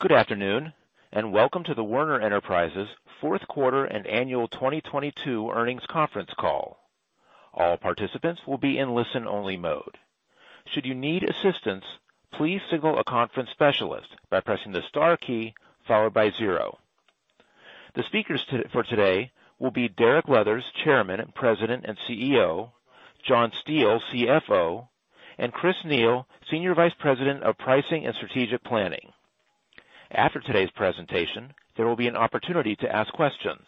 Good afternoon, and welcome to the Werner Enterprises Fourth Quarter and Annual 2022 Earnings Conference Call. All participants will be in listen-only mode. Should you need assistance, please signal a conference specialist by pressing the star key followed by zero. The speakers for today will be Derek Leathers, Chairman, President, and CEO, John Steele, CFO, and Chris Neil, Senior Vice President of Pricing and Strategic Planning. After today's presentation, there will be an opportunity to ask questions.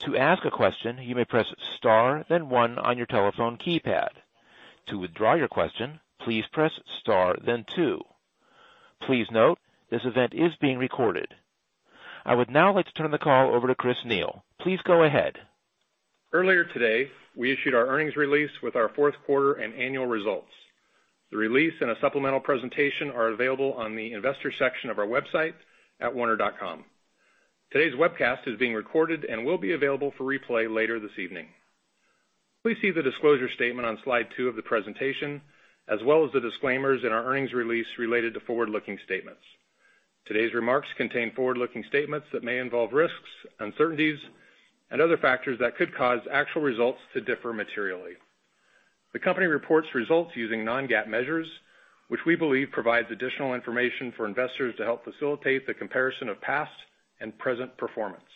To ask a question, you may press star then 1 on your telephone keypad. To withdraw your question, please press star then 2. Please note, this event is being recorded. I would now like to turn the call over to Chris Neil. Please go ahead. Earlier today, we issued our earnings release with our fourth quarter and annual results. The release and a supplemental presentation are available on the Investor section of our website at werner.com. Today's webcast is being recorded and will be available for replay later this evening. Please see the disclosure statement on slide 2 of the presentation, as well as the disclaimers in our earnings release related to forward-looking statements. Today's remarks contain forward-looking statements that may involve risks, uncertainties, and other factors that could cause actual results to differ materially. The company reports results using non-GAAP measures, which we believe provides additional information for investors to help facilitate the comparison of past and present performance.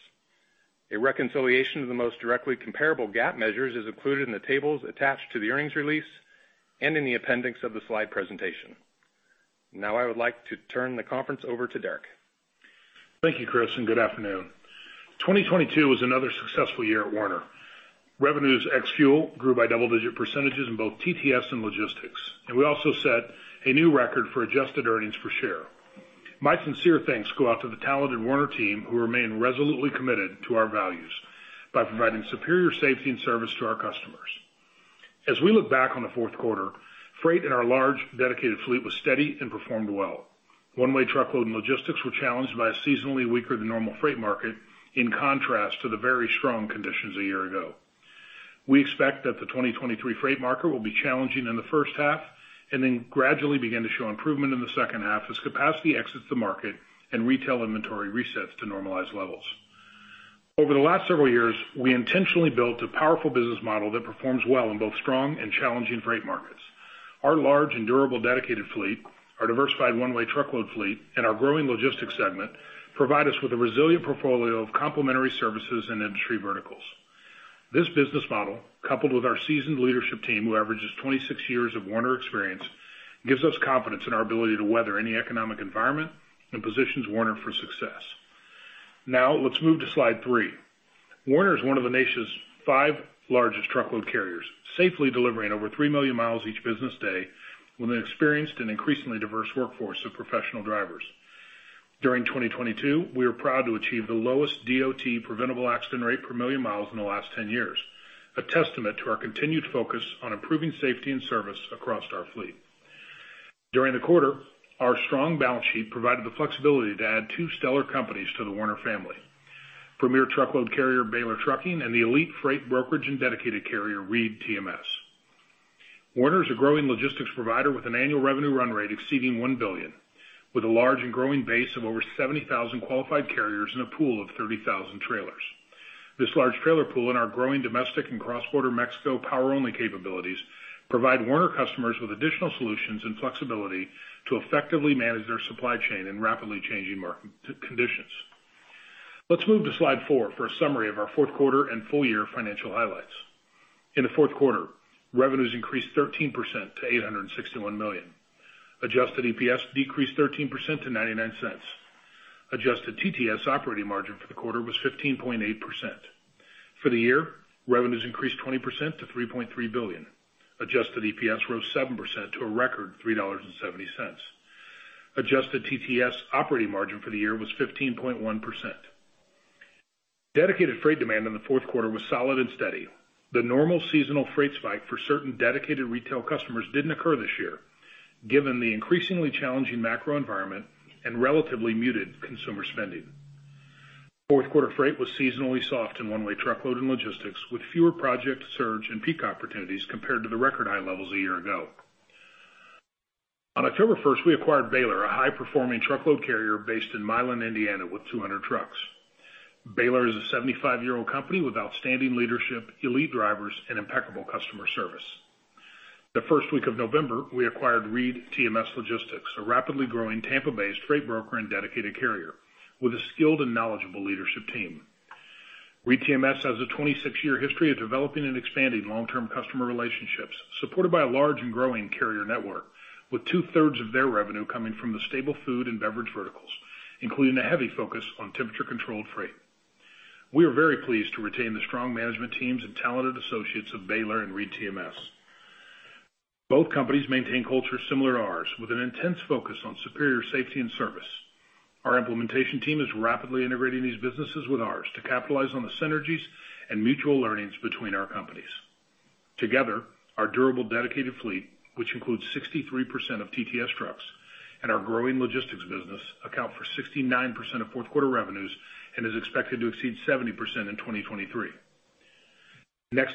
A reconciliation of the most directly comparable GAAP measures is included in the tables attached to the earnings release and in the appendix of the slide presentation. Now I would like to turn the conference over to Derek. Thank you, Chris, good afternoon. 2022 was another successful year at Werner. Revenues ex fuel grew by double-digit percentages in both TTS and logistics. We also set a new record for adjusted earnings per share. My sincere thanks go out to the talented Werner team, who remain resolutely committed to our values by providing superior safety and service to our customers. As we look back on the fourth quarter, freight in our large Dedicated fleet was steady and performed well. One-Way Truckload and logistics were challenged by a seasonally weaker than normal freight market, in contrast to the very strong conditions a year ago. We expect that the 2023 freight market will be challenging in the first half and then gradually begin to show improvement in the second half as capacity exits the market and retail inventory resets to normalized levels. Over the last several years, we intentionally built a powerful business model that performs well in both strong and challenging freight markets. Our large and durable Dedicated fleet, our diversified One-Way Truckload fleet, and our growing logistics segment provide us with a resilient portfolio of complementary services and industry verticals. This business model, coupled with our seasoned leadership team, who averages 26 years of Werner experience, gives us confidence in our ability to weather any economic environment and positions Werner for success. Now let's move to slide 3. Werner is one of the nation's five largest truckload carriers, safely delivering over 3 million miles each business day with an experienced and increasingly diverse workforce of professional drivers. During 2022, we were proud to achieve the lowest DOT preventable accident rate per million miles in the last 10 years, a testament to our continued focus on improving safety and service across our fleet. During the quarter, our strong balance sheet provided the flexibility to add two stellar companies to the Werner family, premier truckload carrier Baylor Trucking and the elite freight brokerage and Dedicated carrier ReedTMS. Werner is a growing logistics provider with an annual revenue run rate exceeding $1 billion, with a large and growing base of over 70,000 qualified carriers and a pool of 30,000 trailers. This large trailer pool in our growing domestic and cross-border Mexico power-only capabilities provide Werner customers with additional solutions and flexibility to effectively manage their supply chain in rapidly changing market conditions. Let's move to slide 4 for a summary of our fourth quarter and full year financial highlights. In the fourth quarter, revenues increased 13% to $861 million. Adjusted EPS decreased 13% to $0.99. Adjusted TTS operating margin for the quarter was 15.8%. For the year, revenues increased 20% to $3.3 billion. Adjusted EPS rose 7% to a record $3.70. Adjusted TTS operating margin for the year was 15.1%. Dedicated freight demand in the fourth quarter was solid and steady. The normal seasonal freight spike for certain Dedicated retail customers didn't occur this year, given the increasingly challenging macro environment and relatively muted consumer spending. Fourth quarter freight was seasonally soft in One-Way Truckload and logistics, with fewer project surge and peak opportunities compared to the record high levels a year ago. On October 1st, we acquired Baylor, a high-performing truckload carrier based in Milan, Indiana, with 200 trucks. Baylor is a 75-year-old company with outstanding leadership, elite drivers, and impeccable customer service. The 1st week of November, we acquired Reed TMS Logistics, a rapidly growing Tampa-based freight broker and Dedicated carrier with a skilled and knowledgeable leadership team. Reed TMS has a 26-year history of developing and expanding long-term customer relationships, supported by a large and growing carrier network with 2/3 of their revenue coming from the stable food and beverage verticals, including a heavy focus on temperature-controlled freight. We are very pleased to retain the strong management teams and talented associates of Baylor and Reed TMS. Both companies maintain cultures similar to ours, with an intense focus on superior safety and service. Our implementation team is rapidly integrating these businesses with ours to capitalize on the synergies and mutual learnings between our companies. Together, our durable Dedicated fleet, which includes 63% of TTS trucks, and our growing logistics business account for 69% of fourth quarter revenues and is expected to exceed 70% in 2023.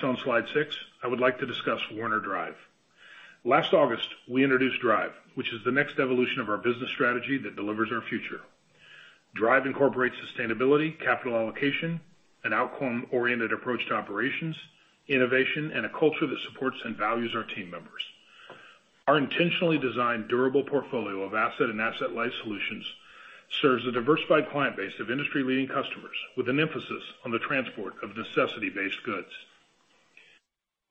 On slide 6, I would like to discuss Werner DRIVE. Last August, we introduced DRIVE, which is the next evolution of our business strategy that delivers our future. DRIVE incorporates sustainability, capital allocation, an outcome-oriented approach to operations, innovation, and a culture that supports and values our team members. Our intentionally designed durable portfolio of asset and asset-light solutions serves a diversified client base of industry-leading customers with an emphasis on the transport of necessity-based goods.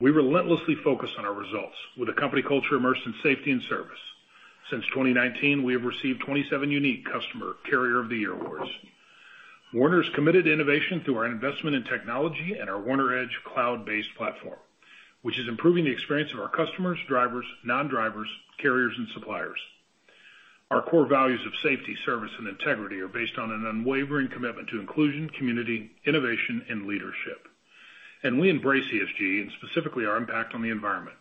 We relentlessly focus on our results with a company culture immersed in safety and service. Since 2019, we have received 27 unique customer carrier of the year awards. Werner is committed to innovation through our investment in technology and our Werner EDGE cloud-based platform, which is improving the experience of our customers, drivers, non-drivers, carriers, and suppliers. Our core values of safety, service, and integrity are based on an unwavering commitment to inclusion, community, innovation, and leadership. We embrace ESG, and specifically our impact on the environment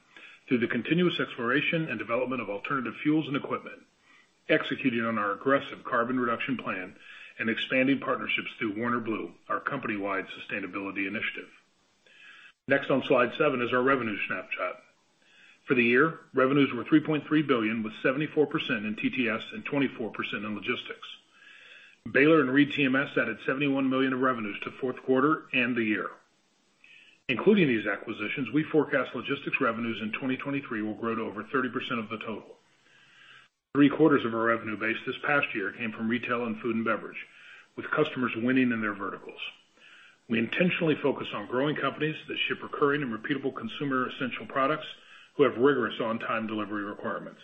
through the continuous exploration and development of alternative fuels and equipment, executing on our aggressive carbon reduction plan and expanding partnerships through Werner Blue, our company-wide sustainability initiative. Next on slide seven is our revenue snapshot. For the year, revenues were $3.3 billion, with 74% in TTS and 24% in logistics. Baylor and ReedTMS added $71 million of revenues to fourth quarter and the year. Including these acquisitions, we forecast logistics revenues in 2023 will grow to over 30% of the total. Three-quarters of our revenue base this past year came from retail and food and beverage, with customers winning in their verticals. We intentionally focus on growing companies that ship recurring and repeatable consumer essential products who have rigorous on-time delivery requirements.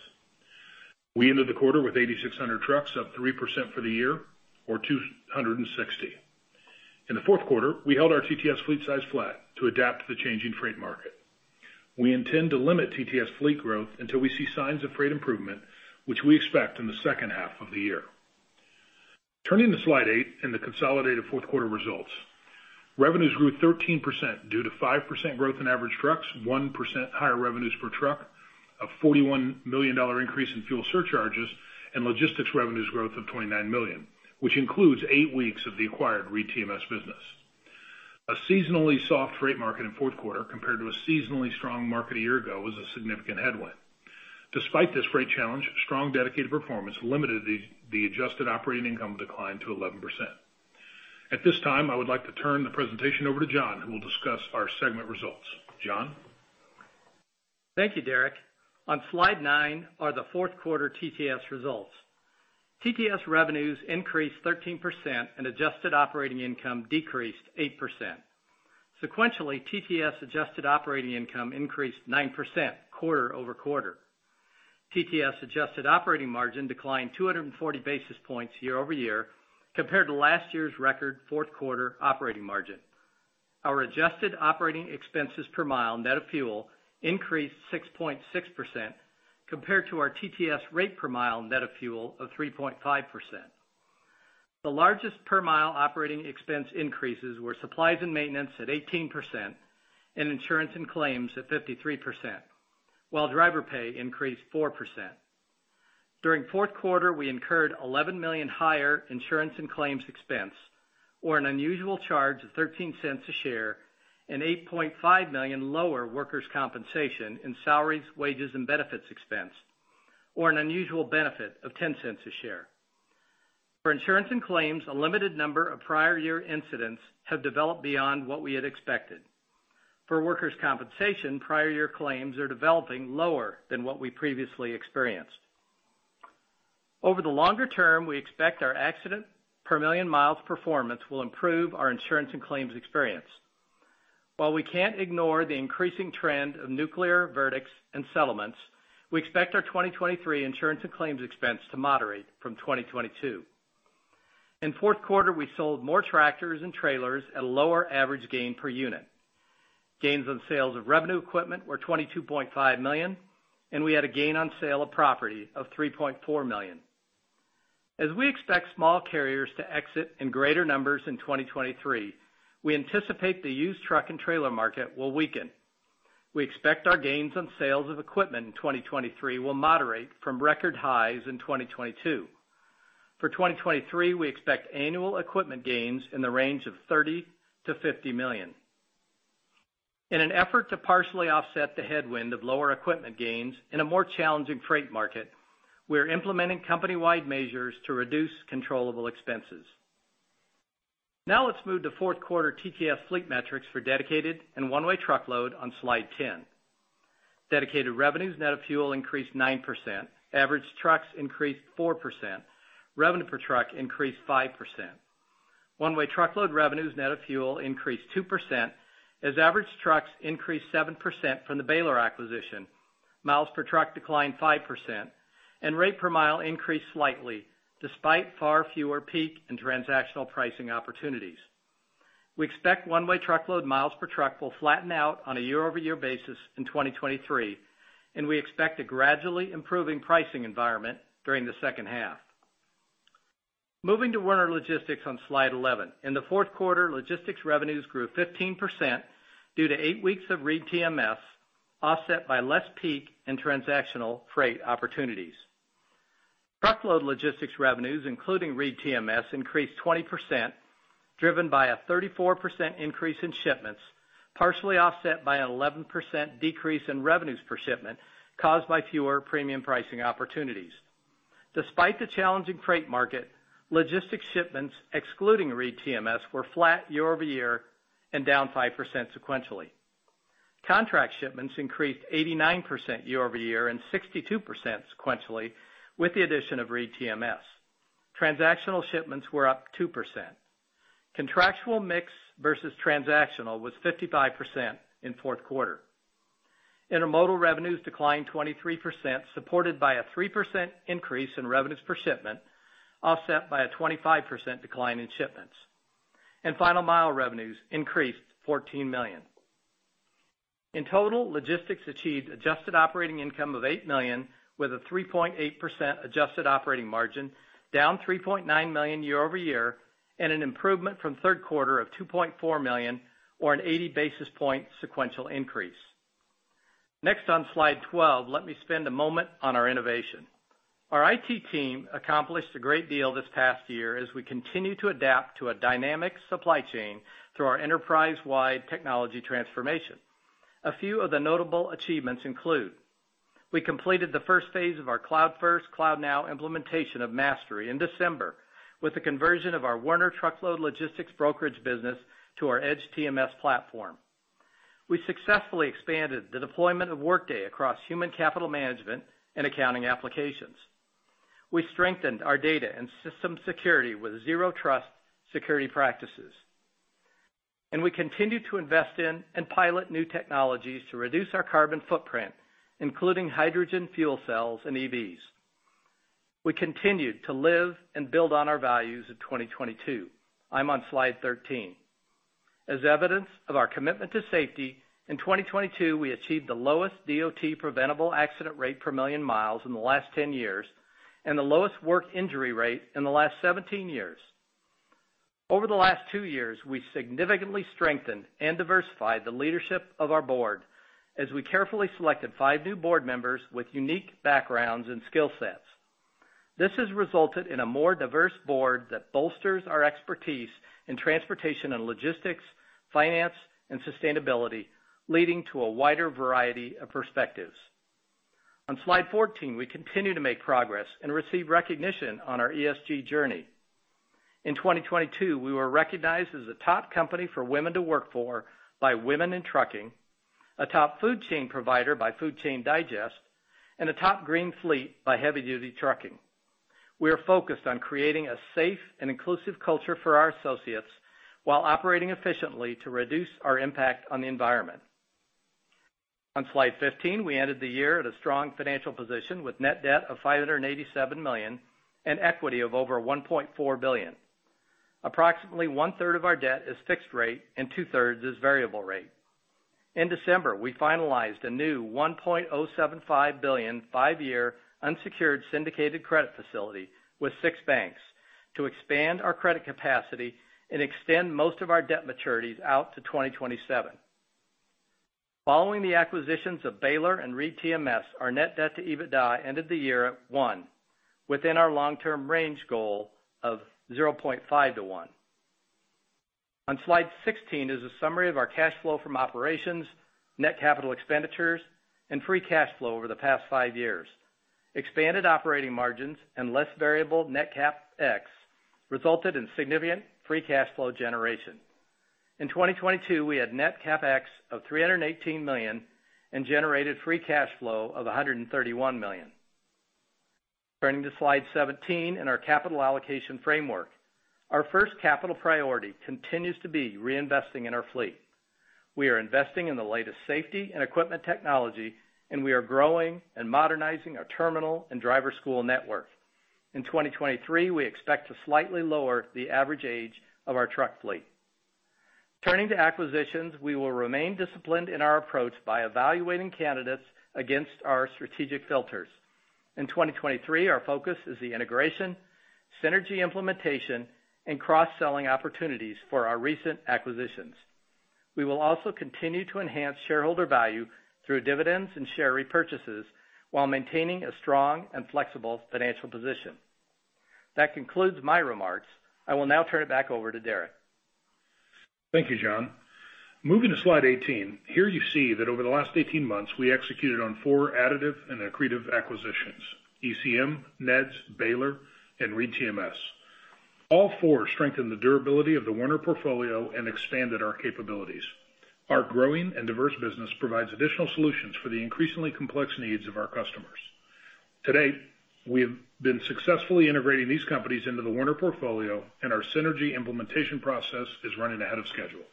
We ended the quarter with 8,600 trucks, up 3% for the year or 260. In the fourth quarter, we held our TTS fleet size flat to adapt to the changing freight market. We intend to limit TTS fleet growth until we see signs of freight improvement, which we expect in the second half of the year. Turning to slide 8 and the consolidated fourth quarter results. Revenues grew 13% due to 5% growth in average trucks, 1% higher revenues per truck, a $41 million increase in fuel surcharges and logistics revenues growth of $29 million, which includes eight weeks of the acquired ReedTMS business. A seasonally soft freight market in fourth quarter compared to a seasonally strong market a year ago was a significant headwind. Despite this freight challenge, strong Dedicated performance limited the adjusted operating income decline to 11%. At this time, I would like to turn the presentation over to John, who will discuss our segment results. John? Thank you, Derek. On slide 9 are the fourth quarter TTS results. TTS revenues increased 13% and adjusted operating income decreased 8%. Sequentially, TTS adjusted operating income increased 9% quarter-over-quarter. TTS adjusted operating margin declined 240 basis points year-over-year compared to last year's record fourth quarter operating margin. Our adjusted operating expenses per mile net of fuel increased 6.6% compared to our TTS rate per mile net of fuel of 3.5%. The largest per mile operating expense increases were supplies and maintenance at 18% and insurance and claims at 53%, while driver pay increased 4%. During fourth quarter, we incurred $11 million higher insurance and claims expense or an unusual charge of $0.13 a share, and $8.5 million lower workers' compensation in salaries, wages and benefits expense, or an unusual benefit of $0.10 a share. For insurance and claims, a limited number of prior year incidents have developed beyond what we had expected. For workers' compensation, prior year claims are developing lower than what we previously experienced. Over the longer term, we expect our accident per million miles performance will improve our insurance and claims experience. While we can't ignore the increasing trend of nuclear verdicts and settlements, we expect our 2023 insurance and claims expense to moderate from 2022. In fourth quarter, we sold more tractors and trailers at a lower average gain per unit. Gains on sales of revenue equipment were $22.5 million, and we had a gain on sale of property of $3.4 million. As we expect small carriers to exit in greater numbers in 2023, we anticipate the used truck and trailer market will weaken. We expect our gains on sales of equipment in 2023 will moderate from record highs in 2022. For 2023, we expect annual equipment gains in the range of $30 million-$50 million. In an effort to partially offset the headwind of lower equipment gains in a more challenging freight market, we are implementing company-wide measures to reduce controllable expenses. Let's move to fourth quarter TTS fleet metrics for Dedicated and One-Way Truckload on slide 10. Dedicated revenues net of fuel increased 9%. Average trucks increased 4%. Revenue per truck increased 5%. One-Way Truckload revenues net of fuel increased 2% as average trucks increased 7% from the Baylor acquisition. Miles per truck declined 5% and rate per mile increased slightly despite far fewer peak and transactional pricing opportunities. We expect One-Way Truckload miles per truck will flatten out on a year-over-year basis in 2023, and we expect a gradually improving pricing environment during the second half. Moving to Werner Logistics on slide 11. In the fourth quarter, logistics revenues grew 15% due to eight weeks of ReedTMS, offset by less peak and transactional freight opportunities. Truckload logistics revenues, including ReedTMS, increased 20%, driven by a 34% increase in shipments, partially offset by an 11% decrease in revenues per shipment caused by fewer premium pricing opportunities. Despite the challenging freight market, logistics shipments, excluding ReedTMS, were flat year-over-year and down 5% sequentially. Contract shipments increased 89% year-over-year and 62% sequentially with the addition of ReedTMS. Transactional shipments were up 2%. Contractual mix versus transactional was 55% in fourth quarter. Intermodal revenues declined 23%, supported by a 3% increase in revenues per shipment, offset by a 25% decline in shipments. Final mile revenues increased $14 million. In total, logistics achieved adjusted operating income of $8 million, with a 3.8% adjusted operating margin, down $3.9 million year-over-year, and an improvement from third quarter of $2.4 million, or an 80 basis point sequential increase. On slide 12, let me spend a moment on our innovation. Our IT team accomplished a great deal this past year as we continue to adapt to a dynamic supply chain through our enterprise-wide technology transformation. A few of the notable achievements include, we completed the first phase of our Cloud-First, Cloud Now implementation of Mastery in December with the conversion of our Werner Truckload Logistics brokerage business to our EDGE TMS platform. We successfully expanded the deployment of Workday across human capital management and accounting applications. We strengthened our data and system security with Zero Trust security practices. We continued to invest in and pilot new technologies to reduce our carbon footprint, including hydrogen fuel cells and EVs. We continued to live and build on our values in 2022. I'm on slide 13. As evidence of our commitment to safety, in 2022, we achieved the lowest DOT preventable accident rate per million miles in the last 10 years, and the lowest work injury rate in the last 17 years. Over the last two years, we significantly strengthened and diversified the leadership of our board as we carefully selected five new board members with unique backgrounds and skill sets. This has resulted in a more diverse board that bolsters our expertise in transportation and logistics, finance, and sustainability, leading to a wider variety of perspectives. On slide 14, we continue to make progress and receive recognition on our ESG journey. In 2022, we were recognized as a top company for women to work for by Women In Trucking, a top food chain provider by Food Chain Digest, and a top green fleet by Heavy Duty Trucking. We are focused on creating a safe and inclusive culture for our associates while operating efficiently to reduce our impact on the environment. On slide 15, we ended the year at a strong financial position with net debt of $587 million and equity of over $1.4 billion. Approximately one-third of our debt is fixed rate and two-thirds is variable rate. In December, we finalized a new $1.075 billion five-year unsecured syndicated credit facility with 6 banks to expand our credit capacity and extend most of our debt maturities out to 2027. Following the acquisitions of Baylor and ReedTMS, our net debt to EBITDA ended the year at 1, within our long-term range goal of 0.5-1. On slide 16 is a summary of our cash flow from operations, net capital expenditures, and free cash flow over the past five years. Expanded operating margins and less variable net CapEx resulted in significant free cash flow generation. In 2022, we had net CapEx of $318 million and generated free cash flow of $131 million. Turning to slide 17 and our capital allocation framework. Our first capital priority continues to be reinvesting in our fleet. We are investing in the latest safety and equipment technology, and we are growing and modernizing our terminal and driver school network. In 2023, we expect to slightly lower the average age of our truck fleet. Turning to acquisitions, we will remain disciplined in our approach by evaluating candidates against our strategic filters. In 2023, our focus is the integration, synergy implementation, and cross-selling opportunities for our recent acquisitions. We will also continue to enhance shareholder value through dividends and share repurchases while maintaining a strong and flexible financial position. That concludes my remarks. I will now turn it back over to Derek. Thank you, John. Moving to slide 18, here you see that over the last 18 months, we executed on four additive and accretive acquisitions, ECM, NEHDS, Baylor, and ReedTMS. All four strengthened the durability of the Werner portfolio and expanded our capabilities. Our growing and diverse business provides additional solutions for the increasingly complex needs of our customers. To date, we have been successfully integrating these companies into the Werner portfolio, and our synergy implementation process is running ahead of schedule.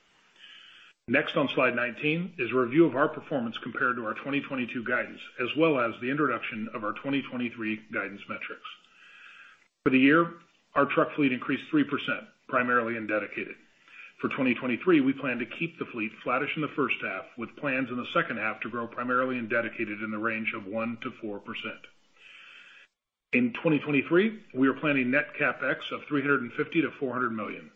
Next on slide 19 is a review of our performance compared to our 2022 guidance, as well as the introduction of our 2023 guidance metrics. For the year, our truck fleet increased 3%, primarily in Dedicated. For 2023, we plan to keep the fleet flattish in the first half, with plans in the second half to grow primarily in Dedicated in the range of 1%-4%. In 2023, we are planning net CapEx of $350 million-$400 million.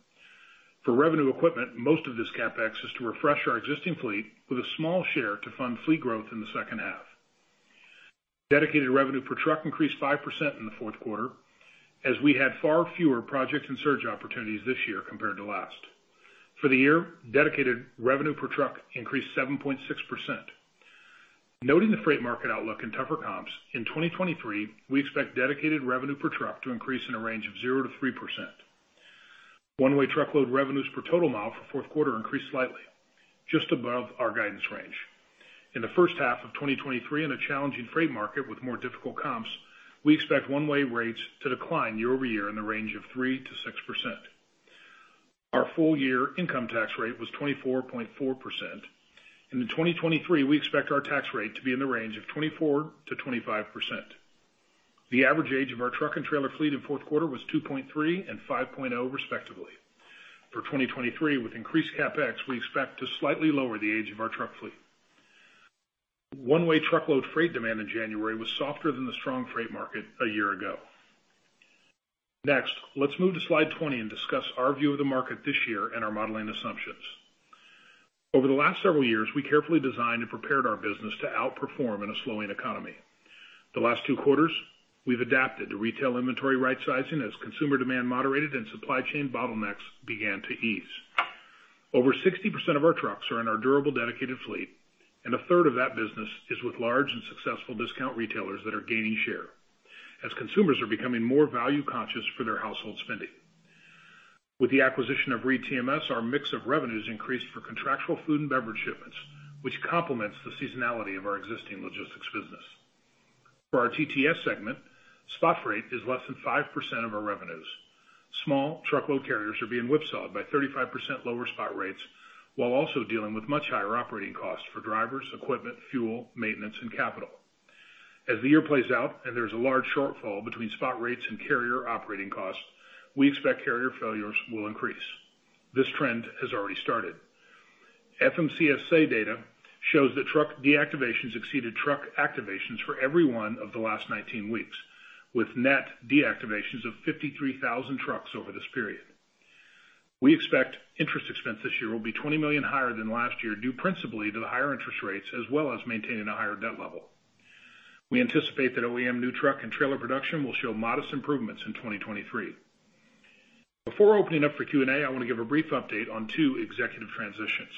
For revenue equipment, most of this CapEx is to refresh our existing fleet with a small share to fund fleet growth in the second half. Dedicated revenue per truck increased 5% in the fourth quarter as we had far fewer projects and surge opportunities this year compared to last. For the year, Dedicated revenue per truck increased 7.6%. Noting the freight market outlook in tougher comps, in 2023, we expect Dedicated revenue per truck to increase in a range of 0%-3%. One-Way Truckload revenues per total mile for fourth quarter increased slightly, just above our guidance range. In the first half of 2023, in a challenging freight market with more difficult comps, we expect One-Way rates to decline year-over-year in the range of 3%-6%. Our full year income tax rate was 24.4%. In 2023, we expect our tax rate to be in the range of 24%-25%. The average age of our truck and trailer fleet in fourth quarter was 2.3 and 5.0, respectively. For 2023, with increased CapEx, we expect to slightly lower the age of our truck fleet. One-Way Truckload freight demand in January was softer than the strong freight market a year ago. Let's move to slide 20 and discuss our view of the market this year and our modeling assumptions. Over the last several years, we carefully designed and prepared our business to outperform in a slowing economy. The last two quarters, we've adapted to retail inventory rightsizing as consumer demand moderated and supply chain bottlenecks began to ease. Over 60% of our trucks are in our durable, Dedicated fleet, and a third of that business is with large and successful discount retailers that are gaining share as consumers are becoming more value conscious for their household spending. With the acquisition of ReedTMS, our mix of revenues increased for contractual food and beverage shipments, which complements the seasonality of our existing logistics business. For our TTS segment, spot rate is less than 5% of our revenues. Small truckload carriers are being whipsawed by 35% lower spot rates while also dealing with much higher operating costs for drivers, equipment, fuel, maintenance, and capital. As the year plays out and there's a large shortfall between spot rates and carrier operating costs, we expect carrier failures will increase. This trend has already started. FMCSA data shows that truck deactivations exceeded truck activations for every one of the last 19 weeks, with net deactivations of 53,000 trucks over this period. We expect interest expense this year will be $20 million higher than last year, due principally to the higher interest rates as well as maintaining a higher debt level. We anticipate that OEM new truck and trailer production will show modest improvements in 2023. Before opening up for Q&A, I want to give a brief update on two executive transitions.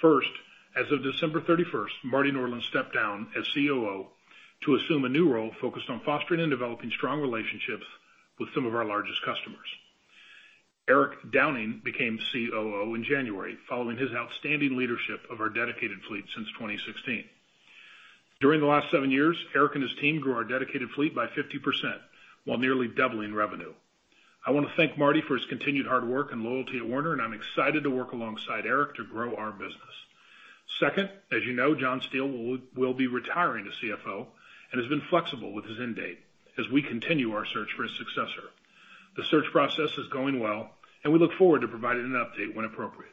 First, as of December 31st, Marty Nordlund stepped down as COO to assume a new role focused on fostering and developing strong relationships with some of our largest customers. Eric Downing became COO in January following his outstanding leadership of our Dedicated fleet since 2016. During the last seven years, Eric and his team grew our Dedicated fleet by 50% while nearly doubling revenue. I want to thank Marty for his continued hard work and loyalty at Werner, and I'm excited to work alongside Eric to grow our business. Second, as you know, John Steele will be retiring as CFO and has been flexible with his end date as we continue our search for his successor. The search process is going well and we look forward to providing an update when appropriate.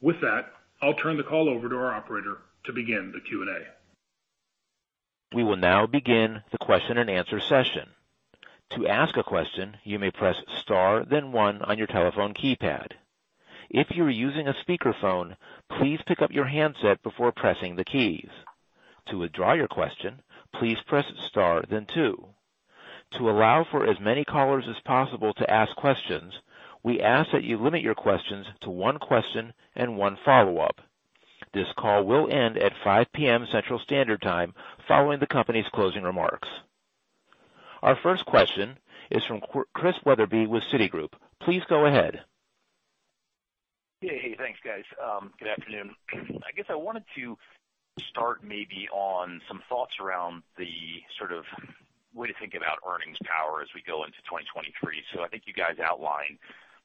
With that, I'll turn the call over to our operator to begin the Q&A. We will now begin the question and answer session. To ask a question, you may press star then 1 on your telephone keypad. If you are using a speakerphone, please pick up your handset before pressing the keys. To withdraw your question, please press star then 2. To allow for as many callers as possible to ask questions, we ask that you limit your questions to one question and one follow-up. This call will end at 5:00 P.M. Central Standard Time following the company's closing remarks. Our first question is from Christian Wetherbee with Citigroup. Please go ahead. Hey, thanks, guys. Good afternoon. I guess I wanted to start maybe on some thoughts around the sort of way to think about earnings power as we go into 2023. I think you guys outlined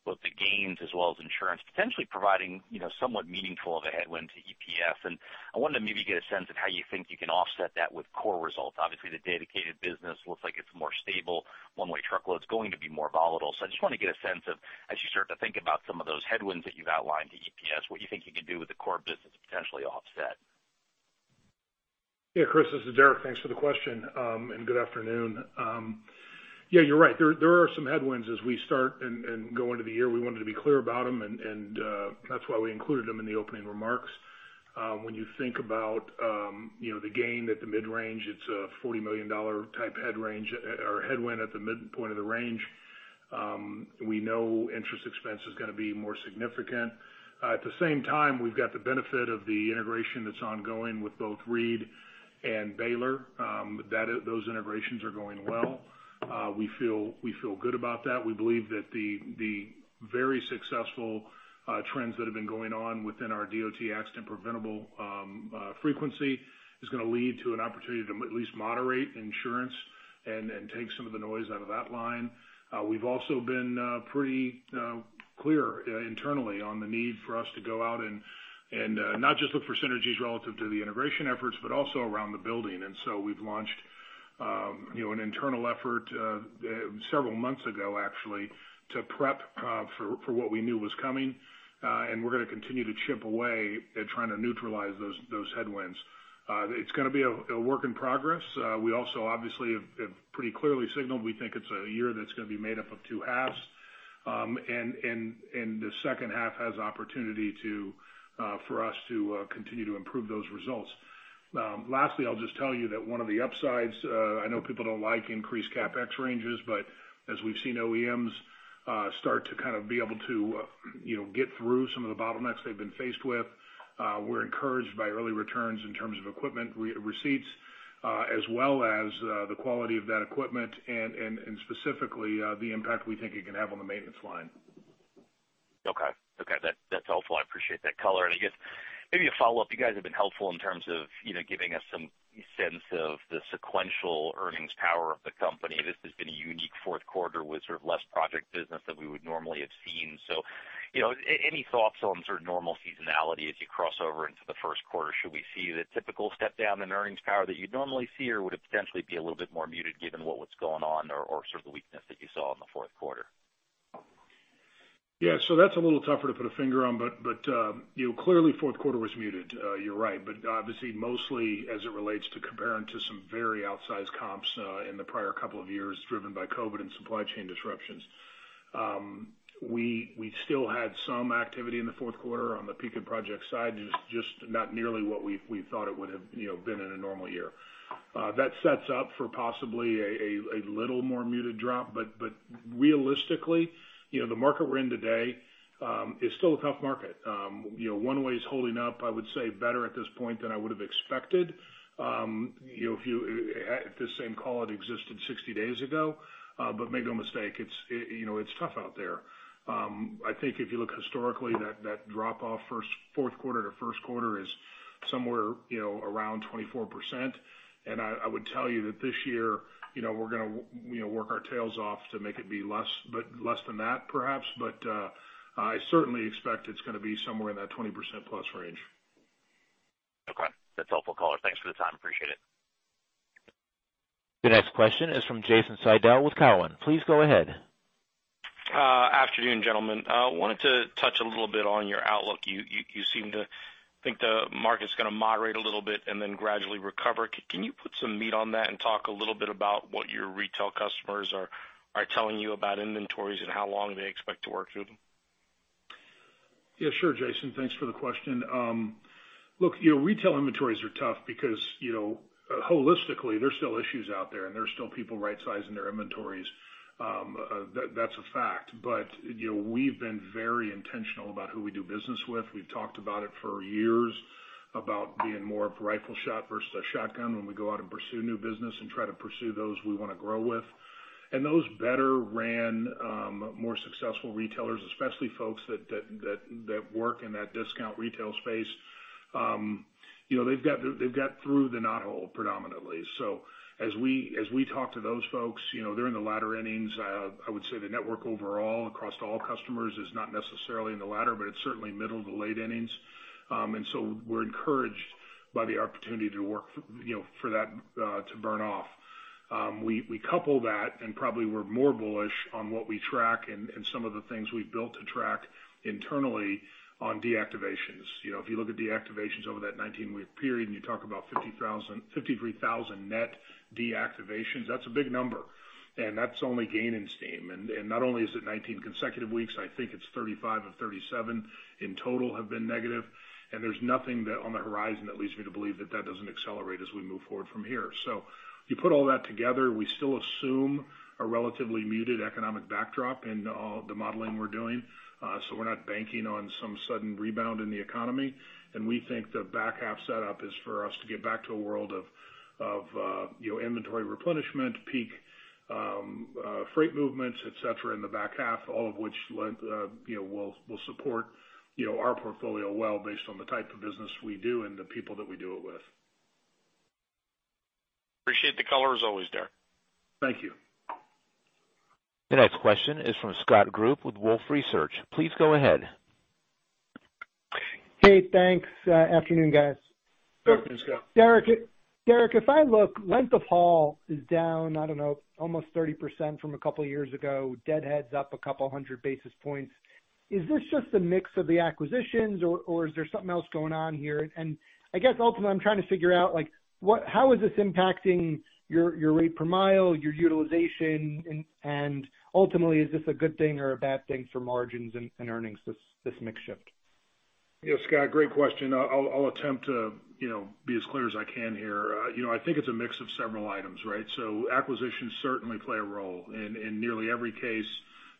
both the gains as well as insurance potentially providing, you know, somewhat meaningful of a headwind to EPS. I wanted to maybe get a sense of how you think you can offset that with core results. Obviously, the Dedicated business looks like it's more stable. One-Way Truckload is going to be more volatile. I just want to get a sense of, as you start to think about some of those headwinds that you've outlined to EPS, what you think you can do with the core business to potentially offset. Chris, this is Derek. Thanks for the question, and good afternoon. You're right. There are some headwinds as we start and go into the year. We wanted to be clear about them and that's why we included them in the opening remarks. When you think about, you know, the gain at the mid-range, it's a $40 million type head range or headwind at the midpoint of the range. We know interest expense is gonna be more significant. At the same time, we've got the benefit of the integration that's ongoing with both Reed and Baylor. Those integrations are going well. We feel good about that. We believe that the very successful trends that have been going on within our DOT accident preventable frequency is going to lead to an opportunity to at least moderate insurance and take some of the noise out of that line. We've also been pretty clear internally on the need for us to go out and not just look for synergies relative to the integration efforts, but also around the building. We've launched, you know, an internal effort several months ago, actually, to prep for what we knew was coming, and we're going to continue to chip away at trying to neutralize those headwinds. It's going to be a work in progress. We also obviously have pretty clearly signaled we think it's a year that's going to be made up of two halves. The second half has opportunity for us to continue to improve those results. Lastly, I'll just tell you that one of the upsides, I know people don't like increased CapEx ranges, but as we've seen OEMs start to kind of be able to, you know, get through some of the bottlenecks they've been faced with, we're encouraged by early returns in terms of equipment receipts, as well as the quality of that equipment and specifically, the impact we think it can have on the maintenance line. Okay. That's helpful. I appreciate that color. I guess maybe a follow-up. You guys have been helpful in terms of, you know, giving us some sense of the sequential earnings power of the company. This has been a unique fourth quarter with sort of less project business than we would normally have seen. You know, any thoughts on sort of normal seasonality as you cross over into the first quarter? Should we see the typical step down in earnings power that you'd normally see, or would it potentially be a little bit more muted given what was going on or sort of the weakness that you saw in the fourth quarter? That's a little tougher to put a finger on, but, you know, clearly fourth quarter was muted, you're right. Obviously mostly as it relates to comparing to some very outsized comps in the prior couple of years, driven by COVID and supply chain disruptions. We still had some activity in the fourth quarter on the peak and project side, just not nearly what we thought it would have, you know, been in a normal year. That sets up for possibly a little more muted drop, but realistically, you know, the market we're in today is still a tough market. You know, One-Way is holding up, I would say better at this point than I would have expected. You know, if you, at this same call that existed 60 days ago, but make no mistake, it's, you know, it's tough out there. I think if you look historically that drop off fourth quarter to first quarter is somewhere, you know, around 24%. I would tell you that this year, you know, we're gonna you know, work our tails off to make it be less, but less than that perhaps. I certainly expect it's gonna be somewhere in that 20% plus range. Okay. That's helpful color. Thanks for the time. Appreciate it. The next question is from Jason Seidl with Cowen. Please go ahead. Afternoon, gentlemen. Wanted to touch a little bit on your outlook. You seem to think the market's gonna moderate a little bit and then gradually recover. Can you put some meat on that and talk a little bit about what your retail customers are telling you about inventories and how long they expect to work through them? Sure. Jason, thanks for the question. Look, you know, retail inventories are tough because, you know, holistically there's still issues out there, and there's still people rightsizing their inventories. That's a fact. You know, we've been very intentional about who we do business with. We've talked about it for years, about being more of a rifle shot versus a shotgun when we go out and pursue new business and try to pursue those we wanna grow with. Those better ran, more successful retailers, especially folks that work in that discount retail space, you know, they've got through the knothole predominantly. As we talk to those folks, you know, they're in the latter innings. I would say the network overall across all customers is not necessarily in the latter, but it's certainly middle to late innings. So we're encouraged by the opportunity to work, you know, for that to burn off. We, we couple that and probably we're more bullish on what we track and some of the things we've built to track internally on deactivations. You know, if you look at deactivations over that 19-week period, and you talk about 53,000 net deactivations, that's a big number. That's only gaining steam. Not only is it 19 consecutive weeks, I think it's 35 of 37 in total have been negative. There's nothing that on the horizon that leads me to believe that that doesn't accelerate as we move forward from here. You put all that together, we still assume a relatively muted economic backdrop in the modeling we're doing. We're not banking on some sudden rebound in the economy. We think the back half setup is for us to get back to a world of, you know, inventory replenishment, peak, freight movements, et cetera, in the back half, all of which, you know, will support, you know, our portfolio well based on the type of business we do and the people that we do it with. Appreciate the color as always, Derek. Thank you. The next question is from Scott Group with Wolfe Research. Please go ahead. Hey, thanks. Afternoon, guys. Afternoon, Scott. Derek, if I look, length of haul is down, I don't know, almost 30% from a couple years ago. Deadhead's up a couple hundred basis points. Is this just a mix of the acquisitions or is there something else going on here? I guess ultimately, I'm trying to figure out, like, how is this impacting your rate per mile, your utilization? Ultimately, is this a good thing or a bad thing for margins and earnings, this mix shift? Yeah, Scott, great question. I'll attempt to, you know, be as clear as I can here. you know, I think it's a mix of several items, right? Acquisitions certainly play a role. In nearly every case,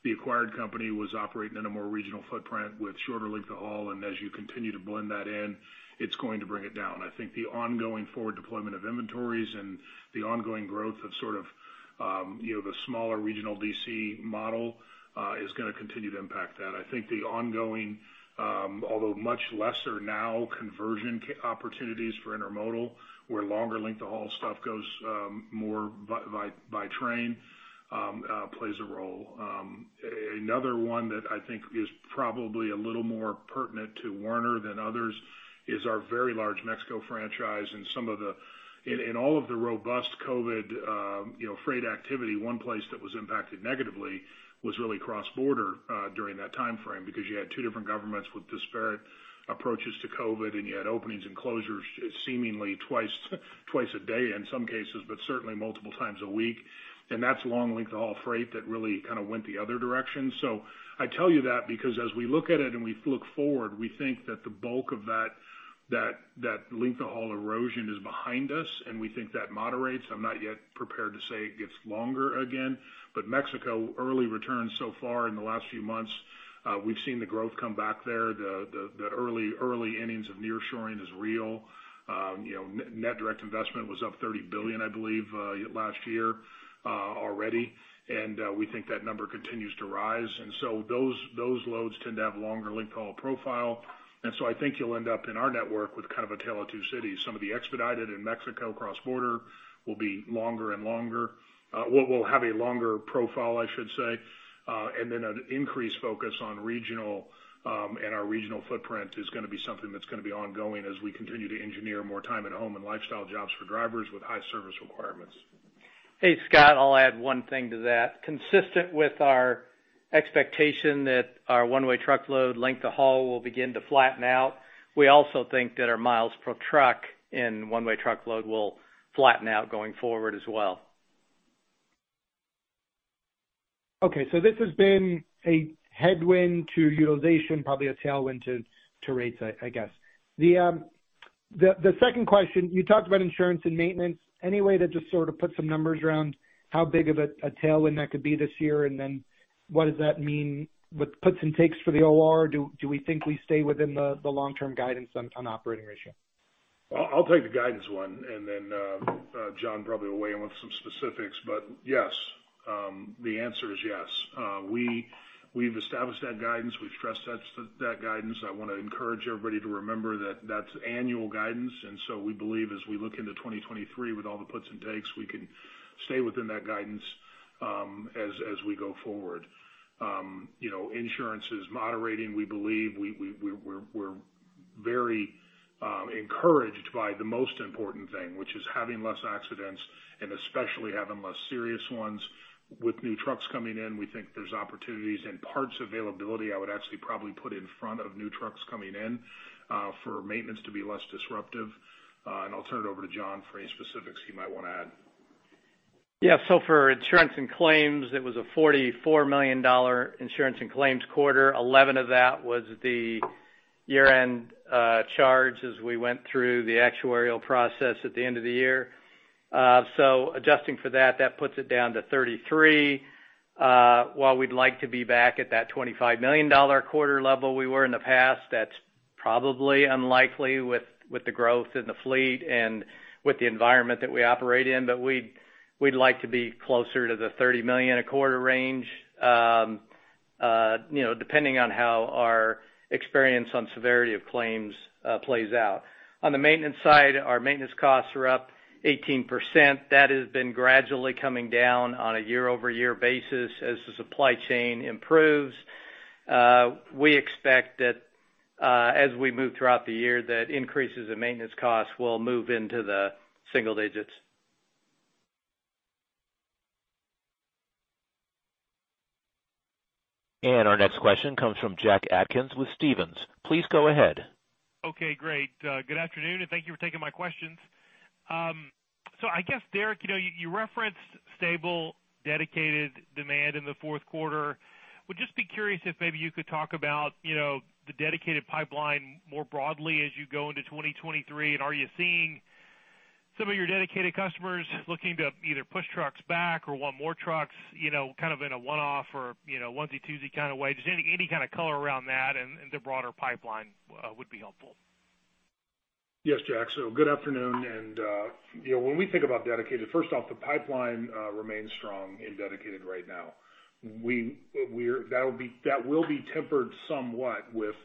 the acquired company was operating in a more regional footprint with shorter length of haul, and as you continue to blend that in, it's going to bring it down. I think the ongoing forward deployment of inventories and the ongoing growth of sort of, you know, the smaller regional DC model, is gonna continue to impact that. I think the ongoing, although much lesser now conversion opportunities for intermodal, where longer length of haul stuff goes, more by train, plays a role. Another one that I think is probably a little more pertinent to Werner than others is our very large Mexico franchise and in all of the robust COVID, you know, freight activity, one place that was impacted negatively was really cross-border during that timeframe because you had two different governments with disparate approaches to COVID, and you had openings and closures seemingly twice a day in some cases, but certainly multiple times a week. That's long length of haul freight that really kind of went the other direction. I tell you that because as we look at it and we look forward, we think that the bulk of that length of haul erosion is behind us, and we think that moderates. I'm not yet prepared to say it gets longer again. Mexico early returns so far in the last few months, we've seen the growth come back there. The early innings of nearshoring is real. You know, net direct investment was up $30 billion, I believe, last year, already. We think that number continues to rise. Those loads tend to have longer length of haul profile. I think you'll end up in our network with kind of a tale of two cities. Some of the expedited in Mexico cross-border will be longer and longer. Well, will have a longer profile, I should say. Then an increased focus on regional, and our regional footprint is gonna be something that's gonna be ongoing as we continue to engineer more time at home and lifestyle jobs for drivers with high service requirements. Hey, Scott, I'll add one thing to that. Consistent with our expectation that our One-Way Truckload length of haul will begin to flatten out, we also think that our miles per truck in One-Way Truckload will flatten out going forward as well. Okay. This has been a headwind to utilization, probably a tailwind to rates, I guess. The second question, you talked about insurance and maintenance. Any way to just sort of put some numbers around how big of a tailwind that could be this year? What does that mean with puts and takes for the OR? Do we think we stay within the long-term guidance on operating ratio? I'll take the guidance one, and then John probably will weigh in with some specifics. Yes, the answer is yes. We've established that guidance. We've stressed that guidance. I wanna encourage everybody to remember that that's annual guidance, we believe as we look into 2023 with all the puts and takes, we can stay within that guidance as we go forward. You know, insurance is moderating. We believe we're very encouraged by the most important thing, which is having less accidents and especially having less serious ones. With new trucks coming in, we think there's opportunities. Parts availability, I would actually probably put in front of new trucks coming in for maintenance to be less disruptive. I'll turn it over to John for any specifics he might wanna add. For insurance and claims, it was a $44 million insurance and claims quarter. 11 of that was the year-end charge as we went through the actuarial process at the end of the year. Adjusting for that puts it down to 33. While we'd like to be back at that $25 million quarter level we were in the past, that's probably unlikely with the growth in the fleet and with the environment that we operate in. We'd like to be closer to the $30 million a quarter range, you know, depending on how our experience on severity of claims plays out. On the maintenance side, our maintenance costs are up 18%. That has been gradually coming down on a year-over-year basis as the supply chain improves. We expect that, as we move throughout the year, that increases in maintenance costs will move into the single digits. Our next question comes from Jack Atkins with Stephens. Please go ahead. Okay. Great. Good afternoon, and thank you for taking my questions. I guess, Derek, you know, you referenced stable Dedicated demand in the fourth quarter. Would just be curious if maybe you could talk about, you know, the Dedicated pipeline more broadly as you go into 2023? Are you seeing some of your Dedicated customers looking to either push trucks back or want more trucks, you know, kind of in a one-off or, you know, onesie-twosie kind of way? Just any kind of color around that and the broader pipeline would be helpful. Yes, Jack. Good afternoon. You know, when we think about Dedicated, first off, the pipeline remains strong in Dedicated right now. That will be tempered somewhat with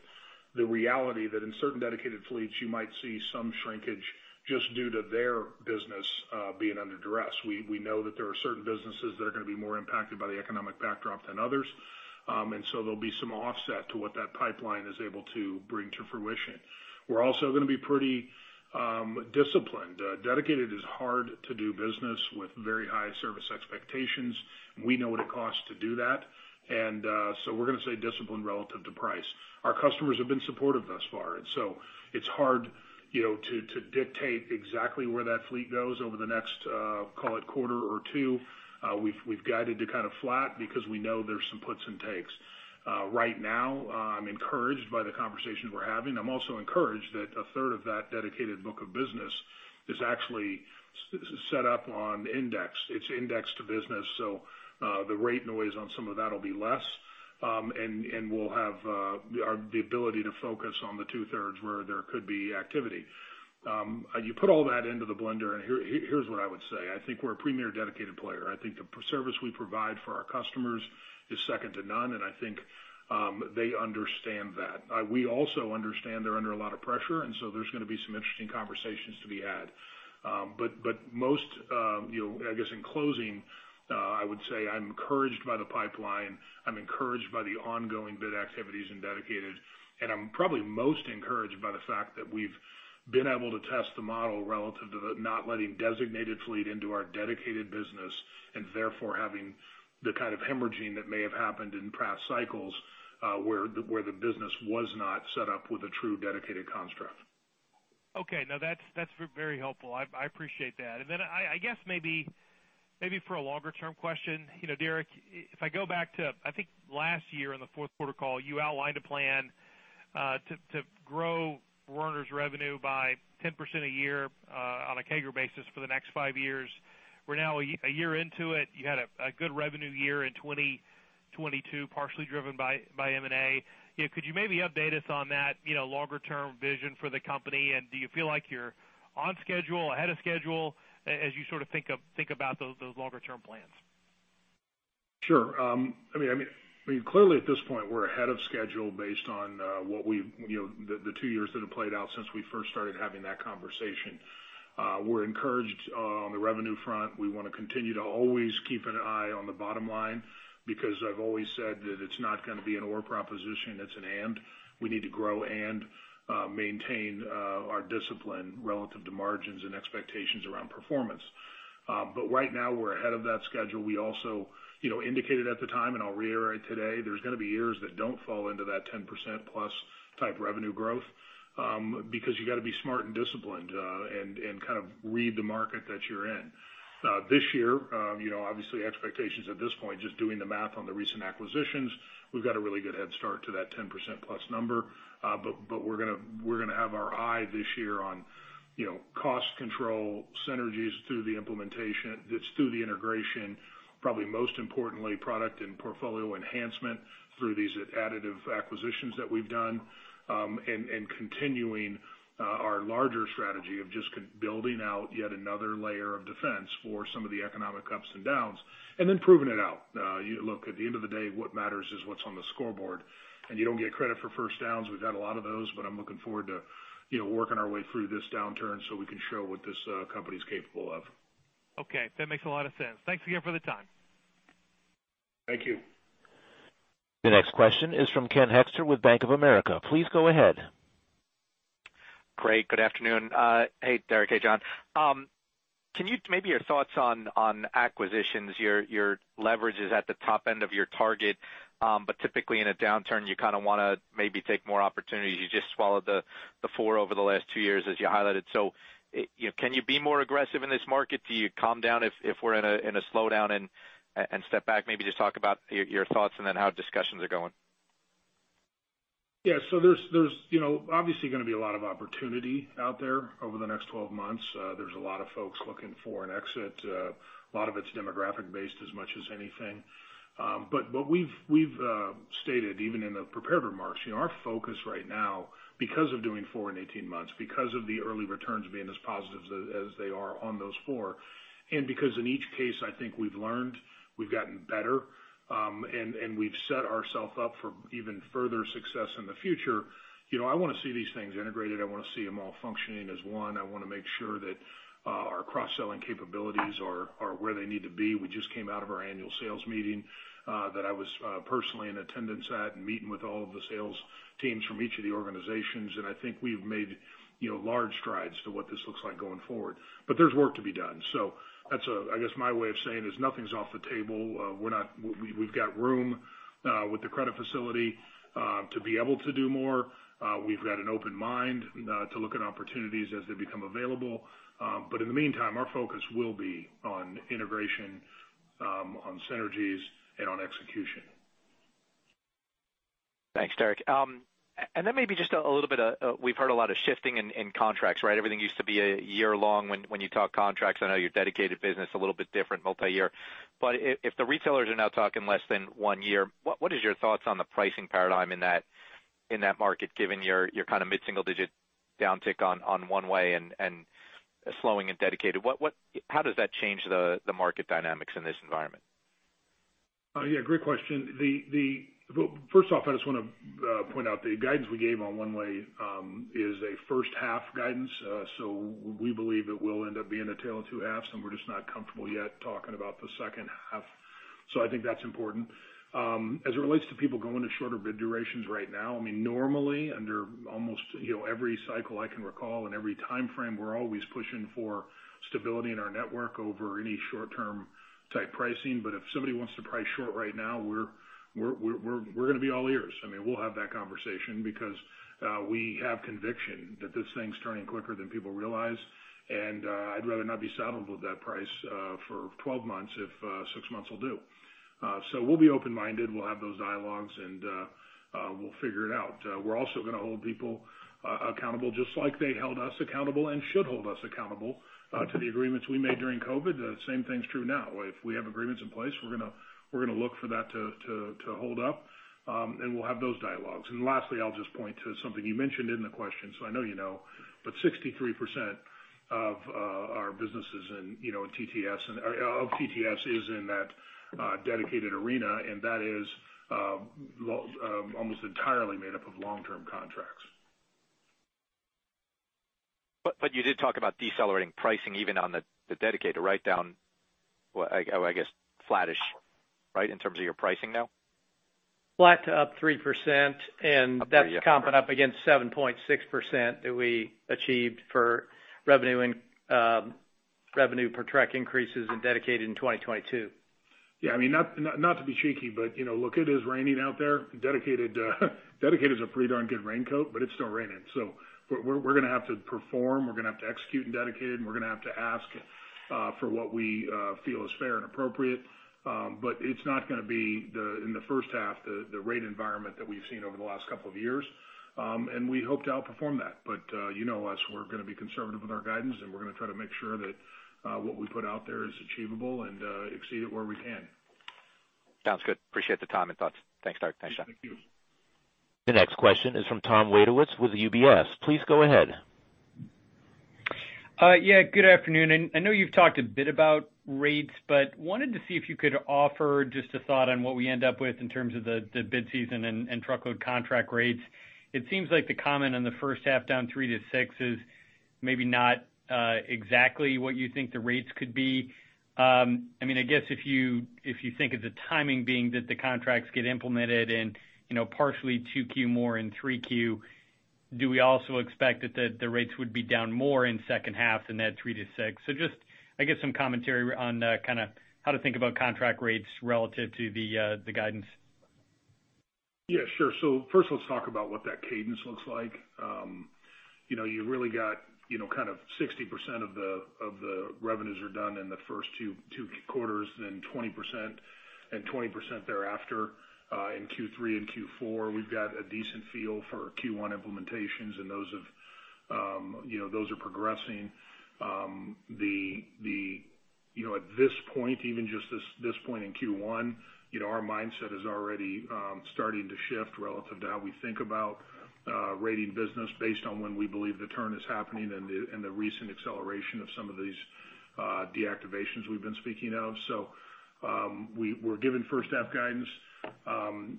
the reality that in certain Dedicated fleets, you might see some shrinkage just due to their business being under duress. We know that there are certain businesses that are gonna be more impacted by the economic backdrop than others. There'll be some offset to what that pipeline is able to bring to fruition. We're also gonna be pretty disciplined. Dedicated is hard to do business with very high service expectations. We know what it costs to do that. We're gonna stay disciplined relative to price. Our customers have been supportive thus far. It's hard, you know, to dictate exactly where that fleet goes over the next, call it quarter or two. We've guided to kind of flat because we know there's some puts and takes. Right now, I'm encouraged by the conversations we're having. I'm also encouraged that a third of that Dedicated book of business is actually set up on index. It's indexed to business, so the rate noise on some of that'll be less. We'll have the ability to focus on the two-thirds where there could be activity. You put all that into the blender, here's what I would say. I think we're a premier Dedicated player. I think the service we provide for our customers is second to none, and I think, they understand that. We also understand they're under a lot of pressure, and so there's gonna be some interesting conversations to be had. Most, you know, I guess in closing, I would say I'm encouraged by the pipeline, I'm encouraged by the ongoing bid activities in Dedicated, and I'm probably most encouraged by the fact that we've been able to test the model relative to the not letting designated fleet into our Dedicated business and therefore having the kind of hemorrhaging that may have happened in past cycles, where the business was not set up with a true Dedicated construct. Okay. No, that's very helpful. I appreciate that. I guess maybe for a longer-term question, you know, Derek, if I go back to, I think, last year on the fourth quarter call, you outlined a plan to grow Werner's revenue by 10% a year on a CAGR basis for the next five years. We're now a year into it. You had a good revenue year in 2022, partially driven by M&A. You know, could you maybe update us on that, you know, longer-term vision for the company? Do you feel like you're on schedule, ahead of schedule as you sort of think about those longer-term plans? Sure. I mean, clearly at this point, we're ahead of schedule based on, you know, the two years that have played out since we first started having that conversation. We're encouraged on the revenue front. We wanna continue to always keep an eye on the bottom line because I've always said that it's not gonna be an or proposition, it's an and. We need to grow and maintain our discipline relative to margins and expectations around performance. Right now, we're ahead of that schedule. We also, you know, indicated at the time, and I'll reiterate today, there's gonna be years that don't fall into that 10% plus type revenue growth, because you gotta be smart and disciplined, and kind of read the market that you're in. This year, you know, obviously expectations at this point, just doing the math on the recent acquisitions, we've got a really good head start to that 10% plus number. We're gonna have our eye this year on, you know, cost control, synergies through the implementation through the integration, probably most importantly, product and portfolio enhancement through these additive acquisitions that we've done, and continuing our larger strategy of just building out yet another layer of defense for some of the economic ups and downs, and then proving it out. You look, at the end of the day, what matters is what's on the scoreboard. You don't get credit for first downs. We've had a lot of those. I'm looking forward to, you know, working our way through this downturn so we can show what this company's capable of. Okay, that makes a lot of sense. Thanks again for the time. Thank you. The next question is from Ken Hoexter with Bank of America. Please go ahead. Great. Good afternoon. Hey, Derek. Hey, John. Maybe your thoughts on acquisitions, your leverage is at the top end of your target, but typically in a downturn, you kinda wanna maybe take more opportunities. You just swallowed the four over the last two years, as you highlighted. You know, can you be more aggressive in this market? Do you calm down if we're in a slowdown and step back? Maybe just talk about your thoughts and then how discussions are going. Yeah. There's, you know, obviously gonna be a lot of opportunity out there over the next 12 months. There's a lot of folks looking for an exit. A lot of it's demographic based as much as anything. What we've stated, even in the prepared remarks, you know, our focus right now, because of doing 4 in 18 months, because of the early returns being as positive as they are on those four, and because in each case, I think we've learned, we've gotten better, and we've set ourselves up for even further success in the future, you know, I wanna see these things integrated. I wanna see them all functioning as one. I wanna make sure that our cross-selling capabilities are where they need to be. We just came out of our annual sales meeting, that I was personally in attendance at and meeting with all of the sales teams from each of the organizations. I think we've made, you know, large strides to what this looks like going forward. There's work to be done. That's, I guess, my way of saying is nothing's off the table. We've got room with the credit facility to be able to do more. We've got an open mind to look at opportunities as they become available. In the meantime, our focus will be on integration, on synergies, and on execution. Thanks, Derek. Maybe just a little bit We've heard a lot of shifting in contracts, right? Everything used to be a year-long when you talk contracts. I know your Dedicated business a little bit different multi-year. If the retailers are now talking less than one year, what is your thoughts on the pricing paradigm in that, in that market, given your kinda mid-single digit downtick on One-Way and slowing in Dedicated? How does that change the market dynamics in this environment? Yeah, great question. Well, first off, I just wanna point out the guidance we gave on One-Way is a first half guidance. We believe it will end up being a tale of two halves, and we're just not comfortable yet talking about the second half. I think that's important. As it relates to people going to shorter bid durations right now, I mean, normally under almost, you know, every cycle I can recall and every timeframe, we're always pushing for stability in our network over any short-term type pricing. If somebody wants to price short right now, we're gonna be all ears. I mean, we'll have that conversation because we have conviction that this thing's turning quicker than people realize. I'd rather not be saddled with that price for 12 months if six months will do. We'll be open-minded. We'll have those dialogues, we'll figure it out. We're also gonna hold people accountable just like they held us accountable and should hold us accountable to the agreements we made during COVID. Same thing's true now. If we have agreements in place, we're gonna look for that to hold up. We'll have those dialogues. Lastly, I'll just point to something you mentioned in the question, so I know you know, but 63% of our businesses in, you know, in TTS of TTS is in that dedicated arena, and that is almost entirely made up of long-term contracts. You did talk about decelerating pricing even on the Dedicated, right down, well, I guess, flattish, right? In terms of your pricing now? Flat to up 3%. That's comping up against 7.6% that we achieved for revenue and revenue per track increases in Dedicated in 2022. Yeah, I mean, not to be cheeky, but, you know, look, it is raining out there. Dedicated is a pretty darn good raincoat, but it's still raining. We're gonna have to perform, we're gonna have to execute in Dedicated, and we're gonna have to ask for what we feel is fair and appropriate. It's not gonna be the, in the first half, the rate environment that we've seen over the last couple of years. We hope to outperform that. You know us, we're gonna be conservative with our guidance, and we're gonna try to make sure that what we put out there is achievable and exceed it where we can. Sounds good. Appreciate the time and thoughts. Thanks, Derek. Thanks, John. Thank you. The next question is from Tom Wadewitz with UBS. Please go ahead. Yeah, good afternoon. I know you've talked a bit about rates, but wanted to see if you could offer just a thought on what we end up with in terms of the bid season and truckload contract rates. It seems like the comment on the first half down 3%-6% is maybe not exactly what you think the rates could be. I mean, I guess if you, if you think of the timing being that the contracts get implemented and, you know, partially 2Q more and 3Q, do we also expect that the rates would be down more in second half than that 3%-6%? Just, I guess, some commentary on kinda how to think about contract rates relative to the guidance. Yeah, sure. First let's talk about what that cadence looks like. You know, you really got, you know, kind of 60% of the, of the revenues are done in the first two quarters and 20% and 20% thereafter, in Q3 and Q4. We've got a decent feel for Q1 implementations and those have, you know, those are progressing. You know, at this point, even just this point in Q1, you know, our mindset is already starting to shift relative to how we think about rating business based on when we believe the turn is happening and the, and the recent acceleration of some of these deactivations we've been speaking of. We're giving first half guidance.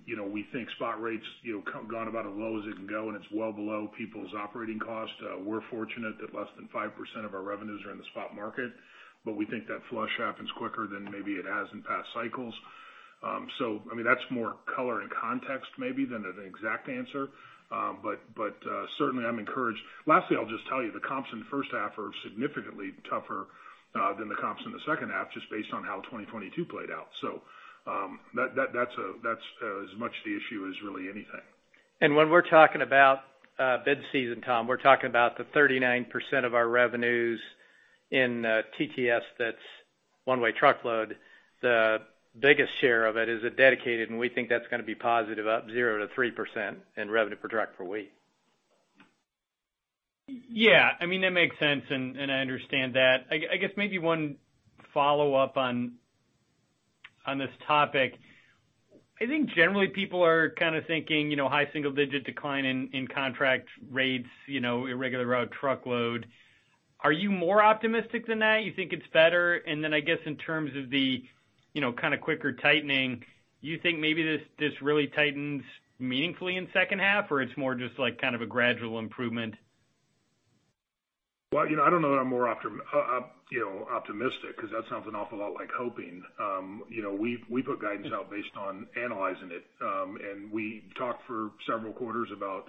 You know, we think spot rates, you know, gone about as low as it can go, and it's well below people's operating cost. We're fortunate that less than 5% of our revenues are in the spot market, we think that flush happens quicker than maybe it has in past cycles. I mean, that's more color and context maybe than an exact answer. Certainly I'm encouraged. Lastly, I'll just tell you, the comps in the first half are significantly tougher than the comps in the second half, just based on how 2022 played out. That's as much the issue as really anything. When we're talking about, bid season, Tom, we're talking about the 39% of our revenues in TTS, that's One-Way Truckload. The biggest share of it is a Dedicated, and we think that's gonna be positive, up 0%-3% in revenue per truck per week. Yeah. I mean, that makes sense, and I understand that. I guess maybe one follow-up on this topic. I think generally people are kind of thinking, you know, high single digit decline in contract rates, you know, irregular route truckload. Are you more optimistic than that? You think it's better? I guess in terms of the, you know, kind of quicker tightening, you think maybe this really tightens meaningfully in second half, or it's more just like kind of a gradual improvement? Well, you know, I don't know that I'm more you know, optimistic because that sounds an awful lot like hoping. you know, we've, we put guidance out based on analyzing it. and we talked for several quarters about,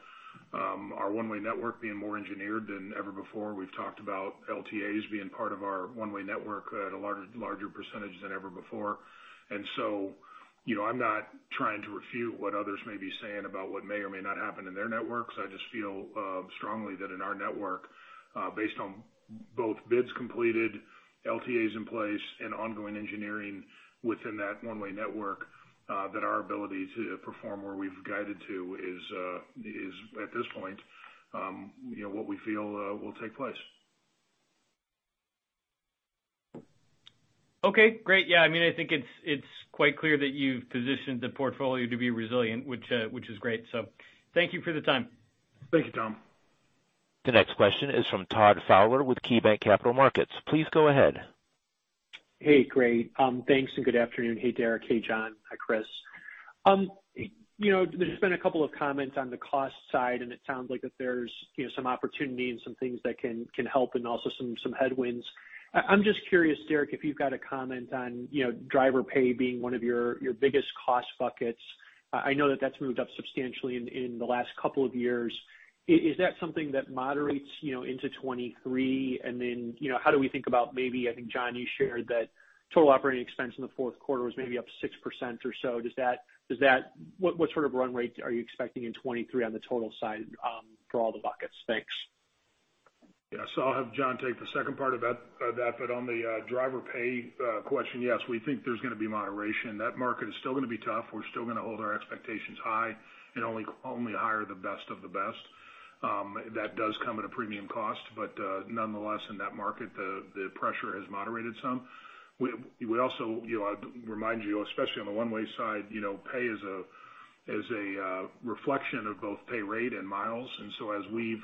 our One-Way network being more engineered than ever before. We've talked about LTAs being part of our One-Way network at a larger percentage than ever before. you know, I'm not trying to refute what others may be saying about what may or may not happen in their networks. I just feel, strongly that in our network, based on both bids completed, LTAs in place and ongoing engineering within that One-Way network, that our ability to perform where we've guided to is at this point, you know, what we feel, will take place. Okay, great. Yeah. I mean, I think it's quite clear that you've positioned the portfolio to be resilient, which is great. Thank you for the time. Thank you, Tom. The next question is from Todd Fowler with KeyBanc Capital Markets. Please go ahead. Hey, great. Thanks and good afternoon. Hey, Derek. Hey, John. Hi, Chris. You know, there's been a couple of comments on the cost side, and it sounds like that there's, you know, some opportunity and some things that can help and also some headwinds. I'm just curious, Derek, if you've got a comment on, you know, driver pay being one of your biggest cost buckets. I know that that's moved up substantially in the last couple of years. Is that something that moderates, you know, into 2023? You know, how do we think about maybe, I think, John, you shared that total operating expense in the fourth quarter was maybe up 6% or so. What sort of run rate are you expecting in 2023 on the total side, for all the buckets? Thanks. Yeah. I'll have John take the second part of that, on the driver pay question, yes, we think there's gonna be moderation. That market is still gonna be tough. We're still gonna hold our expectations high and only hire the best of the best. That does come at a premium cost. Nonetheless, in that market, the pressure has moderated some. We also, you know, remind you, especially on the One-Way side, you know, pay is a reflection of both pay rate and miles. As we've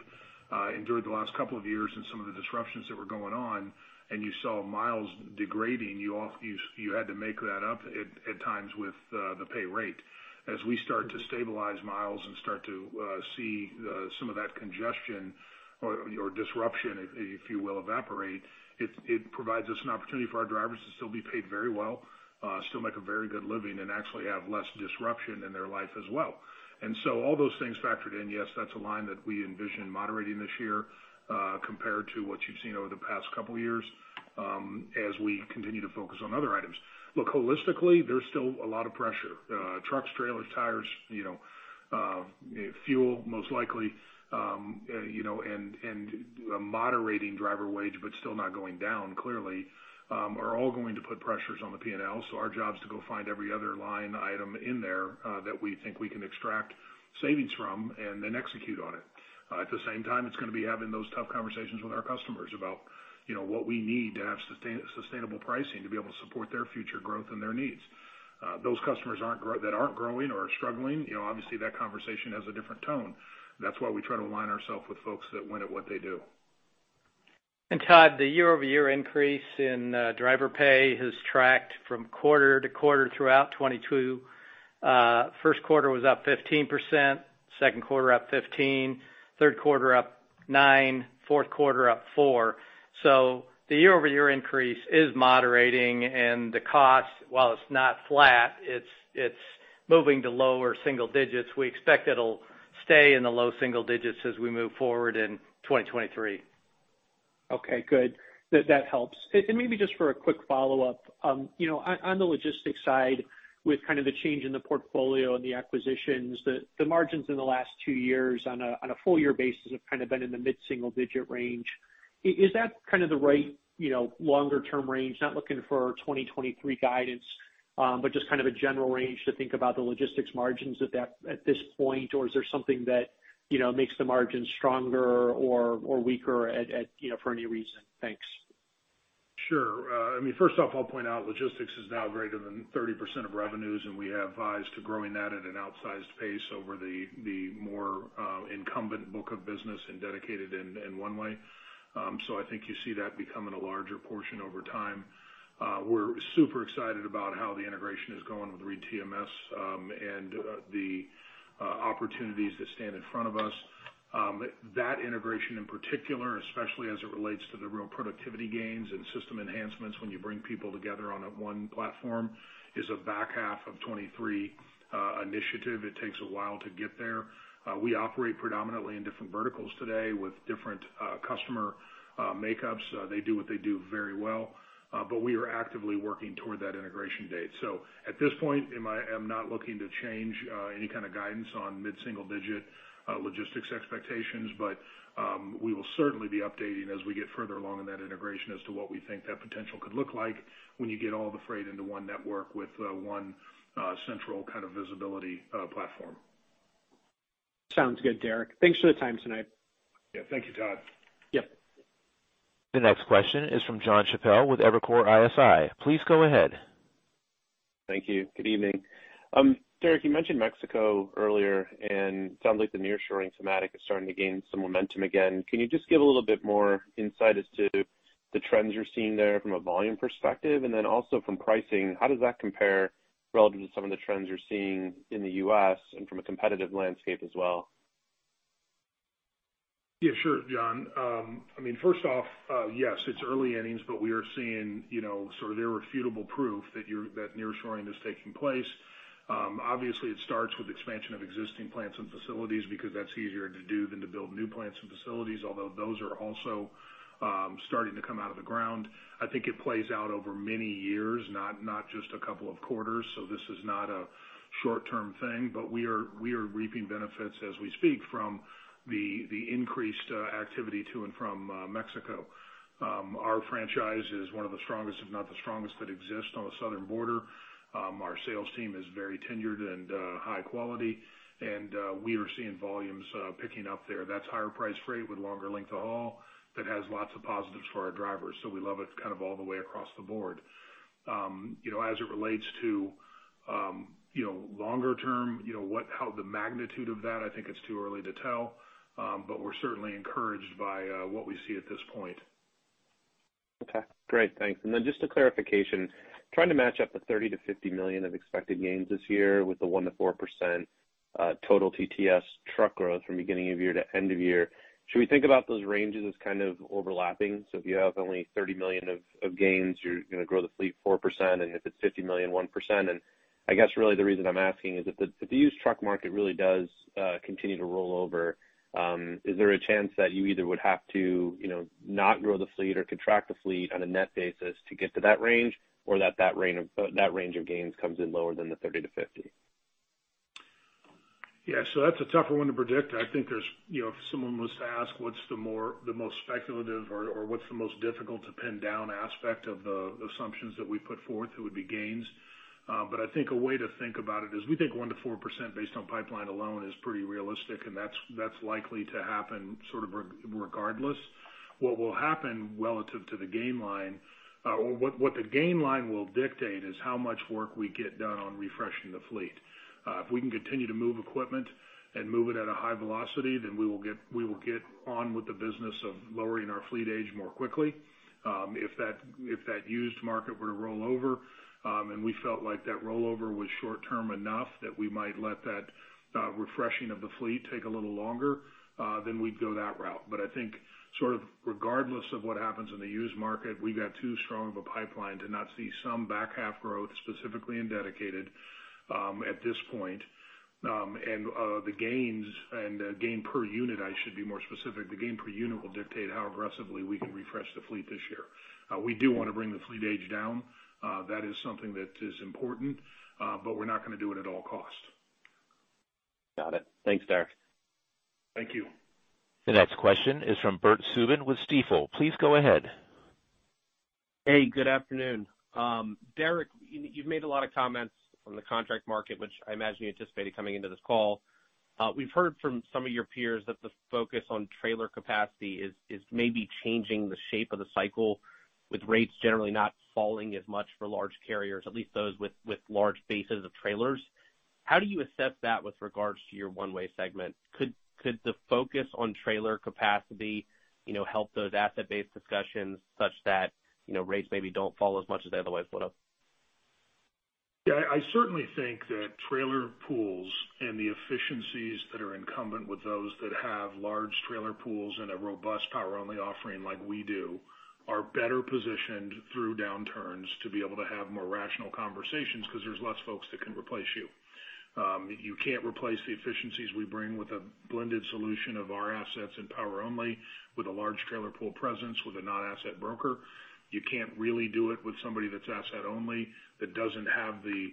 endured the last couple of years and some of the disruptions that were going on, and you saw miles degrading, you had to make that up at times with the pay rate. As we start to stabilize miles and start to see some of that congestion or disruption, if you will, evaporate, it provides us an opportunity for our drivers to still be paid very well, still make a very good living and actually have less disruption in their life as well. All those things factored in, yes, that's a line that we envision moderating this year. Compared to what you've seen over the past couple years, as we continue to focus on other items. Look holistically, there's still a lot of pressure. Trucks, trailers, tires, you know, fuel, most likely, you know, and a moderating driver wage, but still not going down clearly, are all going to put pressures on the P&L. Our job is to go find every other line item in there, that we think we can extract savings from and then execute on it. At the same time, it's gonna be having those tough conversations with our customers about, you know, what we need to have sustainable pricing to be able to support their future growth and their needs. Those customers that aren't growing or are struggling, you know, obviously, that conversation has a different tone. That's why we try to align ourself with folks that win at what they do. Todd, the year-over-year increase in driver pay has tracked from quarter to quarter throughout 2022. First quarter was up 15%, second quarter up 15%, third quarter up 9%, fourth quarter up 4%. The year-over-year increase is moderating and the cost, while it's not flat, it's moving to lower single digits. We expect it'll stay in the low single digits as we move forward in 2023. Okay. Good. That helps. Maybe just for a quick follow-up, you know, on the logistics side, with kind of the change in the portfolio and the acquisitions, the margins in the last two years on a full year basis have kind of been in the mid-single digit range. Is that kind of the right, you know, longer term range? Not looking for 2023 guidance, just kind of a general range to think about the logistics margins at this point, or is there something that, you know, makes the margins stronger or weaker at, you know, for any reason? Thanks. Sure. I mean, first off, I'll point out logistics is now greater than 30% of revenues. We have eyes to growing that at an outsized pace over the more incumbent book of business and Dedicated and One-Way. I think you see that becoming a larger portion over time. We're super excited about how the integration is going with ReedTMS and the opportunities that stand in front of us. That integration in particular, especially as it relates to the real productivity gains and system enhancements when you bring people together on a one platform, is a back half of 2023 initiative. It takes a while to get there. We operate predominantly in different verticals today with different customer makeups. They do what they do very well, but we are actively working toward that integration date. At this point, I'm not looking to change any kind of guidance on mid-single digit logistics expectations, but we will certainly be updating as we get further along in that integration as to what we think that potential could look like when you get all the freight into one network with one central kind of visibility platform. Sounds good, Derek. Thanks for the time tonight. Yeah. Thank you, Todd. Yep. The next question is from Jonathan Chappell with Evercore ISI. Please go ahead. Thank you. Good evening. Derek, you mentioned Mexico earlier. Sounds like the nearshoring thematic is starting to gain some momentum again. Can you just give a little bit more insight as to the trends you're seeing there from a volume perspective? Then also from pricing, how does that compare relative to some of the trends you're seeing in the U.S. and from a competitive landscape as well? Yeah. Sure, John. I mean, first off, yes, it's early innings, but we are seeing sort of irrefutable proof that nearshoring is taking place. Obviously, it starts with expansion of existing plants and facilities because that's easier to do than to build new plants and facilities, although those are also starting to come out of the ground. I think it plays out over many years, not just two quarters. This is not a short-term thing. We are reaping benefits as we speak from the increased activity to and from Mexico. Our franchise is one of the strongest, if not the strongest, that exists on the southern border. Our sales team is very tenured and high quality, and we are seeing volumes picking up there. That's higher priced freight with longer length of haul that has lots of positives for our drivers. We love it kind of all the way across the board. You know, as it relates to, you know, longer term, you know, how the magnitude of that, I think it's too early to tell, but we're certainly encouraged by what we see at this point. Okay. Great. Thanks. Just a clarification, trying to match up the $30 million-$50 million of expected gains this year with the 1%-4% total TTS truck growth from beginning of year to end of year. Should we think about those ranges as kind of overlapping? If you have only $30 million of gains, you're gonna grow the fleet 4%, and if it's $50 million, 1%. I guess really the reason I'm asking is if the used truck market really does continue to roll over, is there a chance that you either would have to, you know, not grow the fleet or contract the fleet on a net basis to get to that range, or that that range of gains comes in lower than the $30 million-$50 million? That's a tougher one to predict. I think there's, you know, if someone was to ask what's the most speculative or what's the most difficult to pin down aspect of the assumptions that we put forth, it would be gains. I think a way to think about it is we think 1%-4% based on pipeline alone is pretty realistic, and that's likely to happen sort of regardless. What will happen relative to the gain line, or what the gain line will dictate is how much work we get done on refreshing the fleet. If we can continue to move equipment and move it at a high velocity, then we will get on with the business of lowering our fleet age more quickly. If that used market were to roll over, and we felt like that rollover was short term enough that we might let that refreshing of the fleet take a little longer, then we'd go that route. I think sort of regardless of what happens in the used market, we've got too strong of a pipeline to not see some back half growth, specifically in Dedicated at this point. The gains and gain per unit, I should be more specific, the gain per unit will dictate how aggressively we can refresh the fleet this year. We do want to bring the fleet age down. That is something that is important, but we're not going to do it at all costs. Got it. Thanks, Derek. Thank you. The next question is from Bert Subin with Stifel. Please go ahead. Hey, good afternoon. Derek, you've made a lot of comments from the contract market, which I imagine you anticipated coming into this call. We've heard from some of your peers that the focus on trailer capacity is maybe changing the shape of the cycle, with rates generally not falling as much for large carriers, at least those with large bases of trailers. How do you assess that with regards to your One-Way segment? Could the focus on trailer capacity, you know, help those asset-based discussions such that, you know, rates maybe don't fall as much as they otherwise would have? Yeah, I certainly think that trailer pools and the efficiencies that are incumbent with those that have large trailer pools and a robust power-only offering like we do are better positioned through downturns to be able to have more rational conversations because there's less folks that can replace you. You can't replace the efficiencies we bring with a blended solution of our assets and power-only with a large trailer pool presence with a non-asset broker. You can't really do it with somebody that's asset only that doesn't have the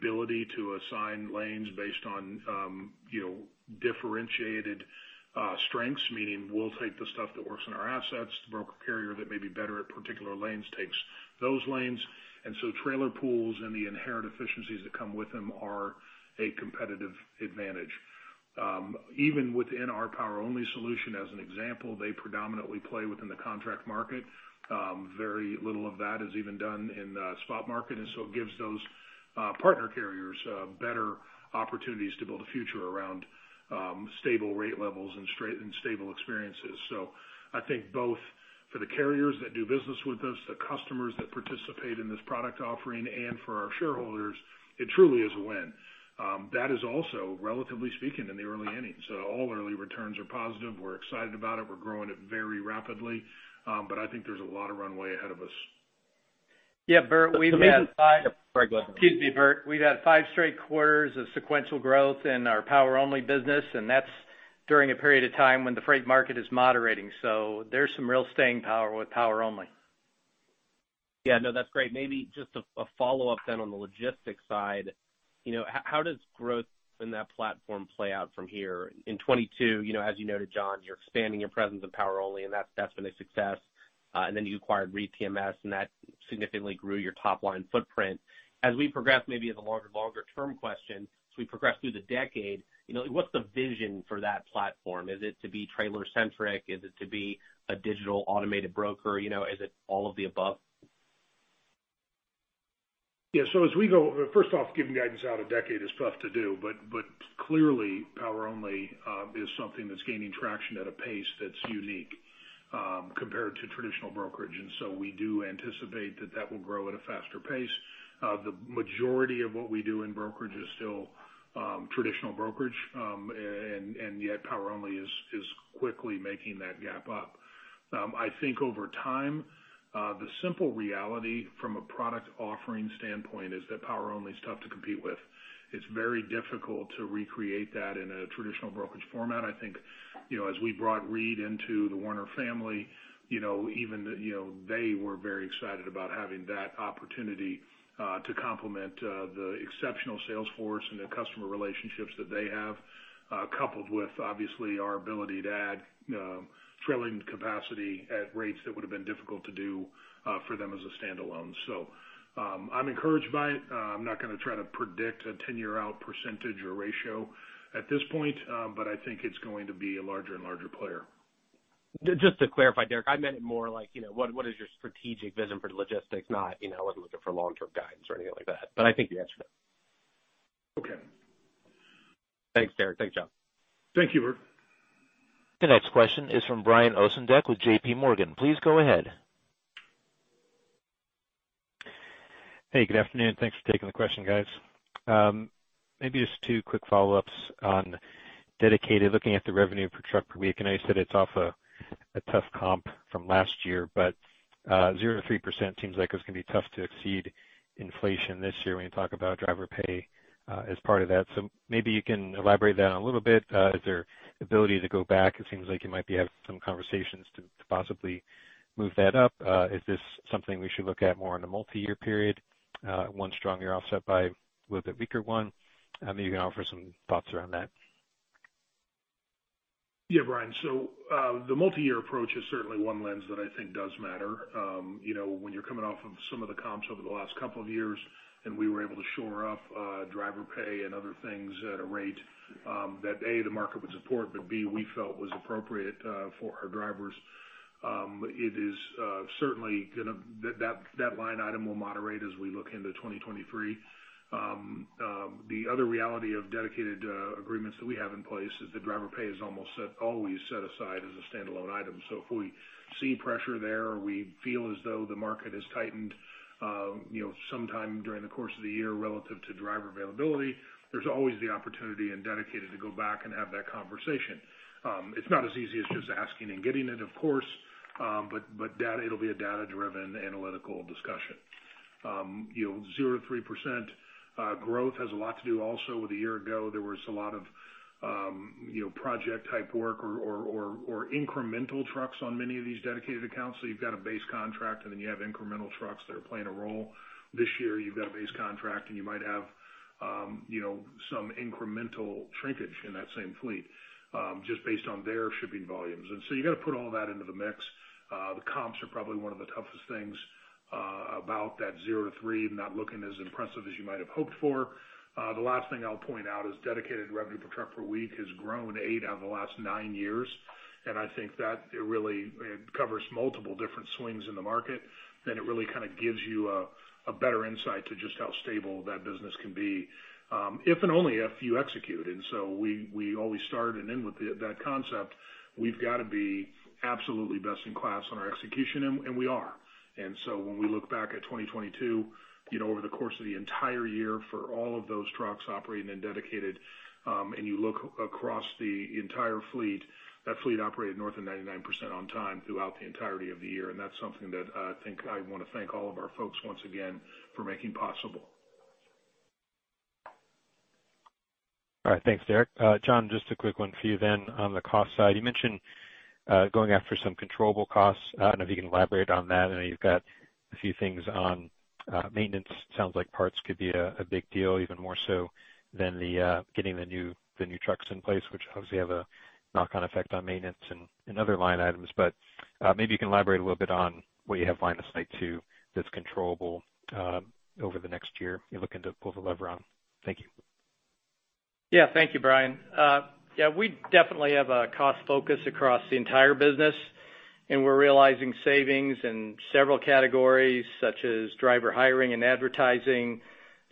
ability to assign lanes based on, you know, differentiated strengths, meaning we'll take the stuff that works in our assets, the broker carrier that may be better at particular lanes takes those lanes. Trailer pools and the inherent efficiencies that come with them are a competitive advantage. Even within our power-only solution, as an example, they predominantly play within the contract market. Very little of that is even done in the spot market. It gives those partner carriers better opportunities to build a future around stable rate levels and straight and stable experiences. I think both for the carriers that do business with us, the customers that participate in this product offering and for our shareholders, it truly is a win. That is also, relatively speaking, in the early innings. All early returns are positive. We're excited about it. We're growing it very rapidly. I think there's a lot of runway ahead of us. Yeah, Bert, we've had... The main thing... Sorry, go ahead. Excuse me, Bert. We've had five straight quarters of sequential growth in our Power-Only business. That's during a period of time when the freight market is moderating. There's some real staying power with Power-Only. Yeah, no, that's great. Maybe just a follow-up then on the logistics side. You know, how does growth in that platform play out from here? In 2022, you know, as you noted, John, you're expanding your presence of power-only, and that's definitely success. Then you acquired ReedTMS, and that significantly grew your top line footprint. We progress, maybe as a larger, longer term question, so we progress through the decade, you know, what's the vision for that platform? Is it to be trailer-centric? Is it to be a digital automated broker? You know, is it all of the above? Yeah. As we go, first off, giving guidance out a decade is tough to do, but clearly, Power-Only is something that's gaining traction at a pace that's unique compared to traditional brokerage. We do anticipate that that will grow at a faster pace. The majority of what we do in brokerage is still traditional brokerage, and yet power-only is quickly making that gap up. I think over time, the simple reality from a product offering standpoint is that power-only is tough to compete with. It's very difficult to recreate that in a traditional brokerage format. I think, you know, as we brought Reed into the Werner family, you know, even the, you know, they were very excited about having that opportunity to complement the exceptional sales force and the customer relationships that they have coupled with obviously our ability to add trailing capacity at rates that would have been difficult to do for them as a standalone. I'm encouraged by it. I'm not going to try to predict a 10-year out percentage or ratio at this point, but I think it's going to be a larger and larger player. Just to clarify, Derek, I meant it more like, you know, what is your strategic vision for logistics, not, you know, I wasn't looking for long-term guidance or anything like that. I think you answered it. Okay. Thanks, Derek. Thanks, John. Thank you, Bert. The next question is from Brian Ossenbeck with J.P. Morgan. Please go ahead. Hey, good afternoon. Thanks for taking the question, guys. Maybe just two quick follow-ups on Dedicated, looking at the revenue per truck per week. I know you said it's off a tough comp from last year, but 0%-3% seems like it's going to be tough to exceed inflation this year when you talk about driver pay as part of that. Maybe you can elaborate that a little bit. Is there ability to go back? It seems like you might be having some conversations to possibly move that up. Is this something we should look at more in a multi-year period? One strong year offset by with a weaker one. I don't know if you can offer some thoughts around that. Yeah, Brian. The multi-year approach is certainly one lens that I think does matter. You know, when you're coming off of some of the comps over the last couple of years, and we were able to shore up driver pay and other things at a rate that A, the market would support, but B, we felt was appropriate for our drivers, that line item will moderate as we look into 2023. The other reality of Dedicated agreements that we have in place is the driver pay is always set aside as a standalone item. If we see pressure there, we feel as though the market has tightened, you know, sometime during the course of the year relative to driver availability, there's always the opportunity in Dedicated to go back and have that conversation. It's not as easy as just asking and getting it, of course, but data, it'll be a data-driven analytical discussion. You know, 0%-3% growth has a lot to do also with a year ago, there was a lot of, you know, project type work or incremental trucks on many of these Dedicated accounts. You've got a base contract, and then you have incremental trucks that are playing a role. This year, you've got a base contract, and you might have, you know, some incremental shrinkage in that same fleet, just based on their shipping volumes. You got to put all that into the mix. The comps are probably one of the toughest things about that 0%-3% not looking as impressive as you might have hoped for. The last thing I'll point out is Dedicated revenue per truck per week has grown eight out of the last nine years, and I think that it really covers multiple different swings in the market, then it really kind of gives you a better insight to just how stable that business can be, if and only if you execute. We always start and end with that concept. We've got to be absolutely best in class on our execution, and we are. When we look back at 2022, you know, over the course of the entire year for all of those trucks operating in Dedicated, and you look across the entire fleet, that fleet operated north of 99% on time throughout the entirety of the year. That's something that I think I want to thank all of our folks once again for making possible. All right, thanks, Derek. John, just a quick one for you then on the cost side. You mentioned, going after some controllable costs. I don't know if you can elaborate on that. I know you've got a few things on maintenance. Sounds like parts could be a big deal, even more so than getting the new trucks in place, which obviously have a knock-on effect on maintenance and other line items. Maybe you can elaborate a little bit on what you have line of sight to that's controllable, over the next year you're looking to pull the lever on. Thank you. Yeah. Thank you, Brian. Yeah, we definitely have a cost focus across the entire business, we're realizing savings in several categories, such as driver hiring and advertising,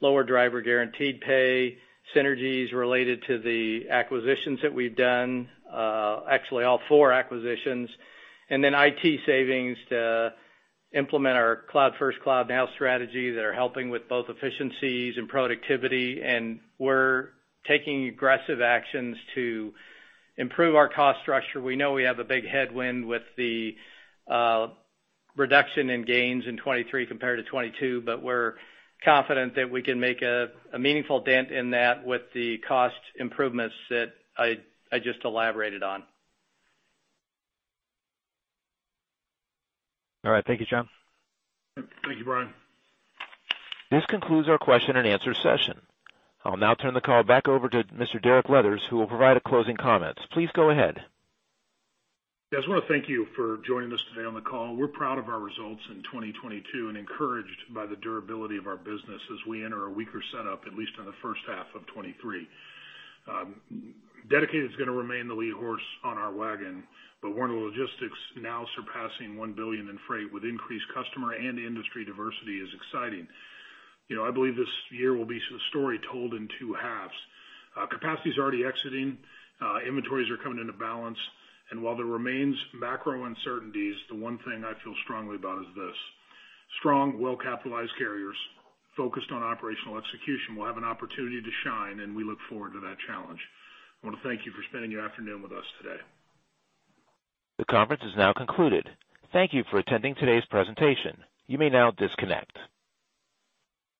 lower driver guaranteed pay, synergies related to the acquisitions that we've done, actually all four acquisitions, and then IT savings to implement our Cloud-First, Cloud Now strategy that are helping with both efficiencies and productivity. We're taking aggressive actions to improve our cost structure. We know we have a big headwind with the reduction in gains in 2023 compared to 2022, but we're confident that we can make a meaningful dent in that with the cost improvements that I just elaborated on. All right. Thank you, John. Thank you, Brian. This concludes our question and answer session. I'll now turn the call back over to Mr. Derek Leathers, who will provide a closing comment. Please go ahead. Yes, I just want to thank you for joining us today on the call. We're proud of our results in 2022 and encouraged by the durability of our business as we enter a weaker setup, at least in the first half of 2023. Dedicated is going to remain the lead horse on our wagon, but Werner Logistics now surpassing $1 billion in freight with increased customer and industry diversity is exciting. You know, I believe this year will be a story told in two halves. Capacity is already exiting, inventories are coming into balance, and while there remains macro uncertainties, the one thing I feel strongly about is this: strong, well-capitalized carriers focused on operational execution will have an opportunity to shine, and we look forward to that challenge. I want to thank you for spending your afternoon with us today. The conference is now concluded. Thank you for attending today's presentation. You may now disconnect.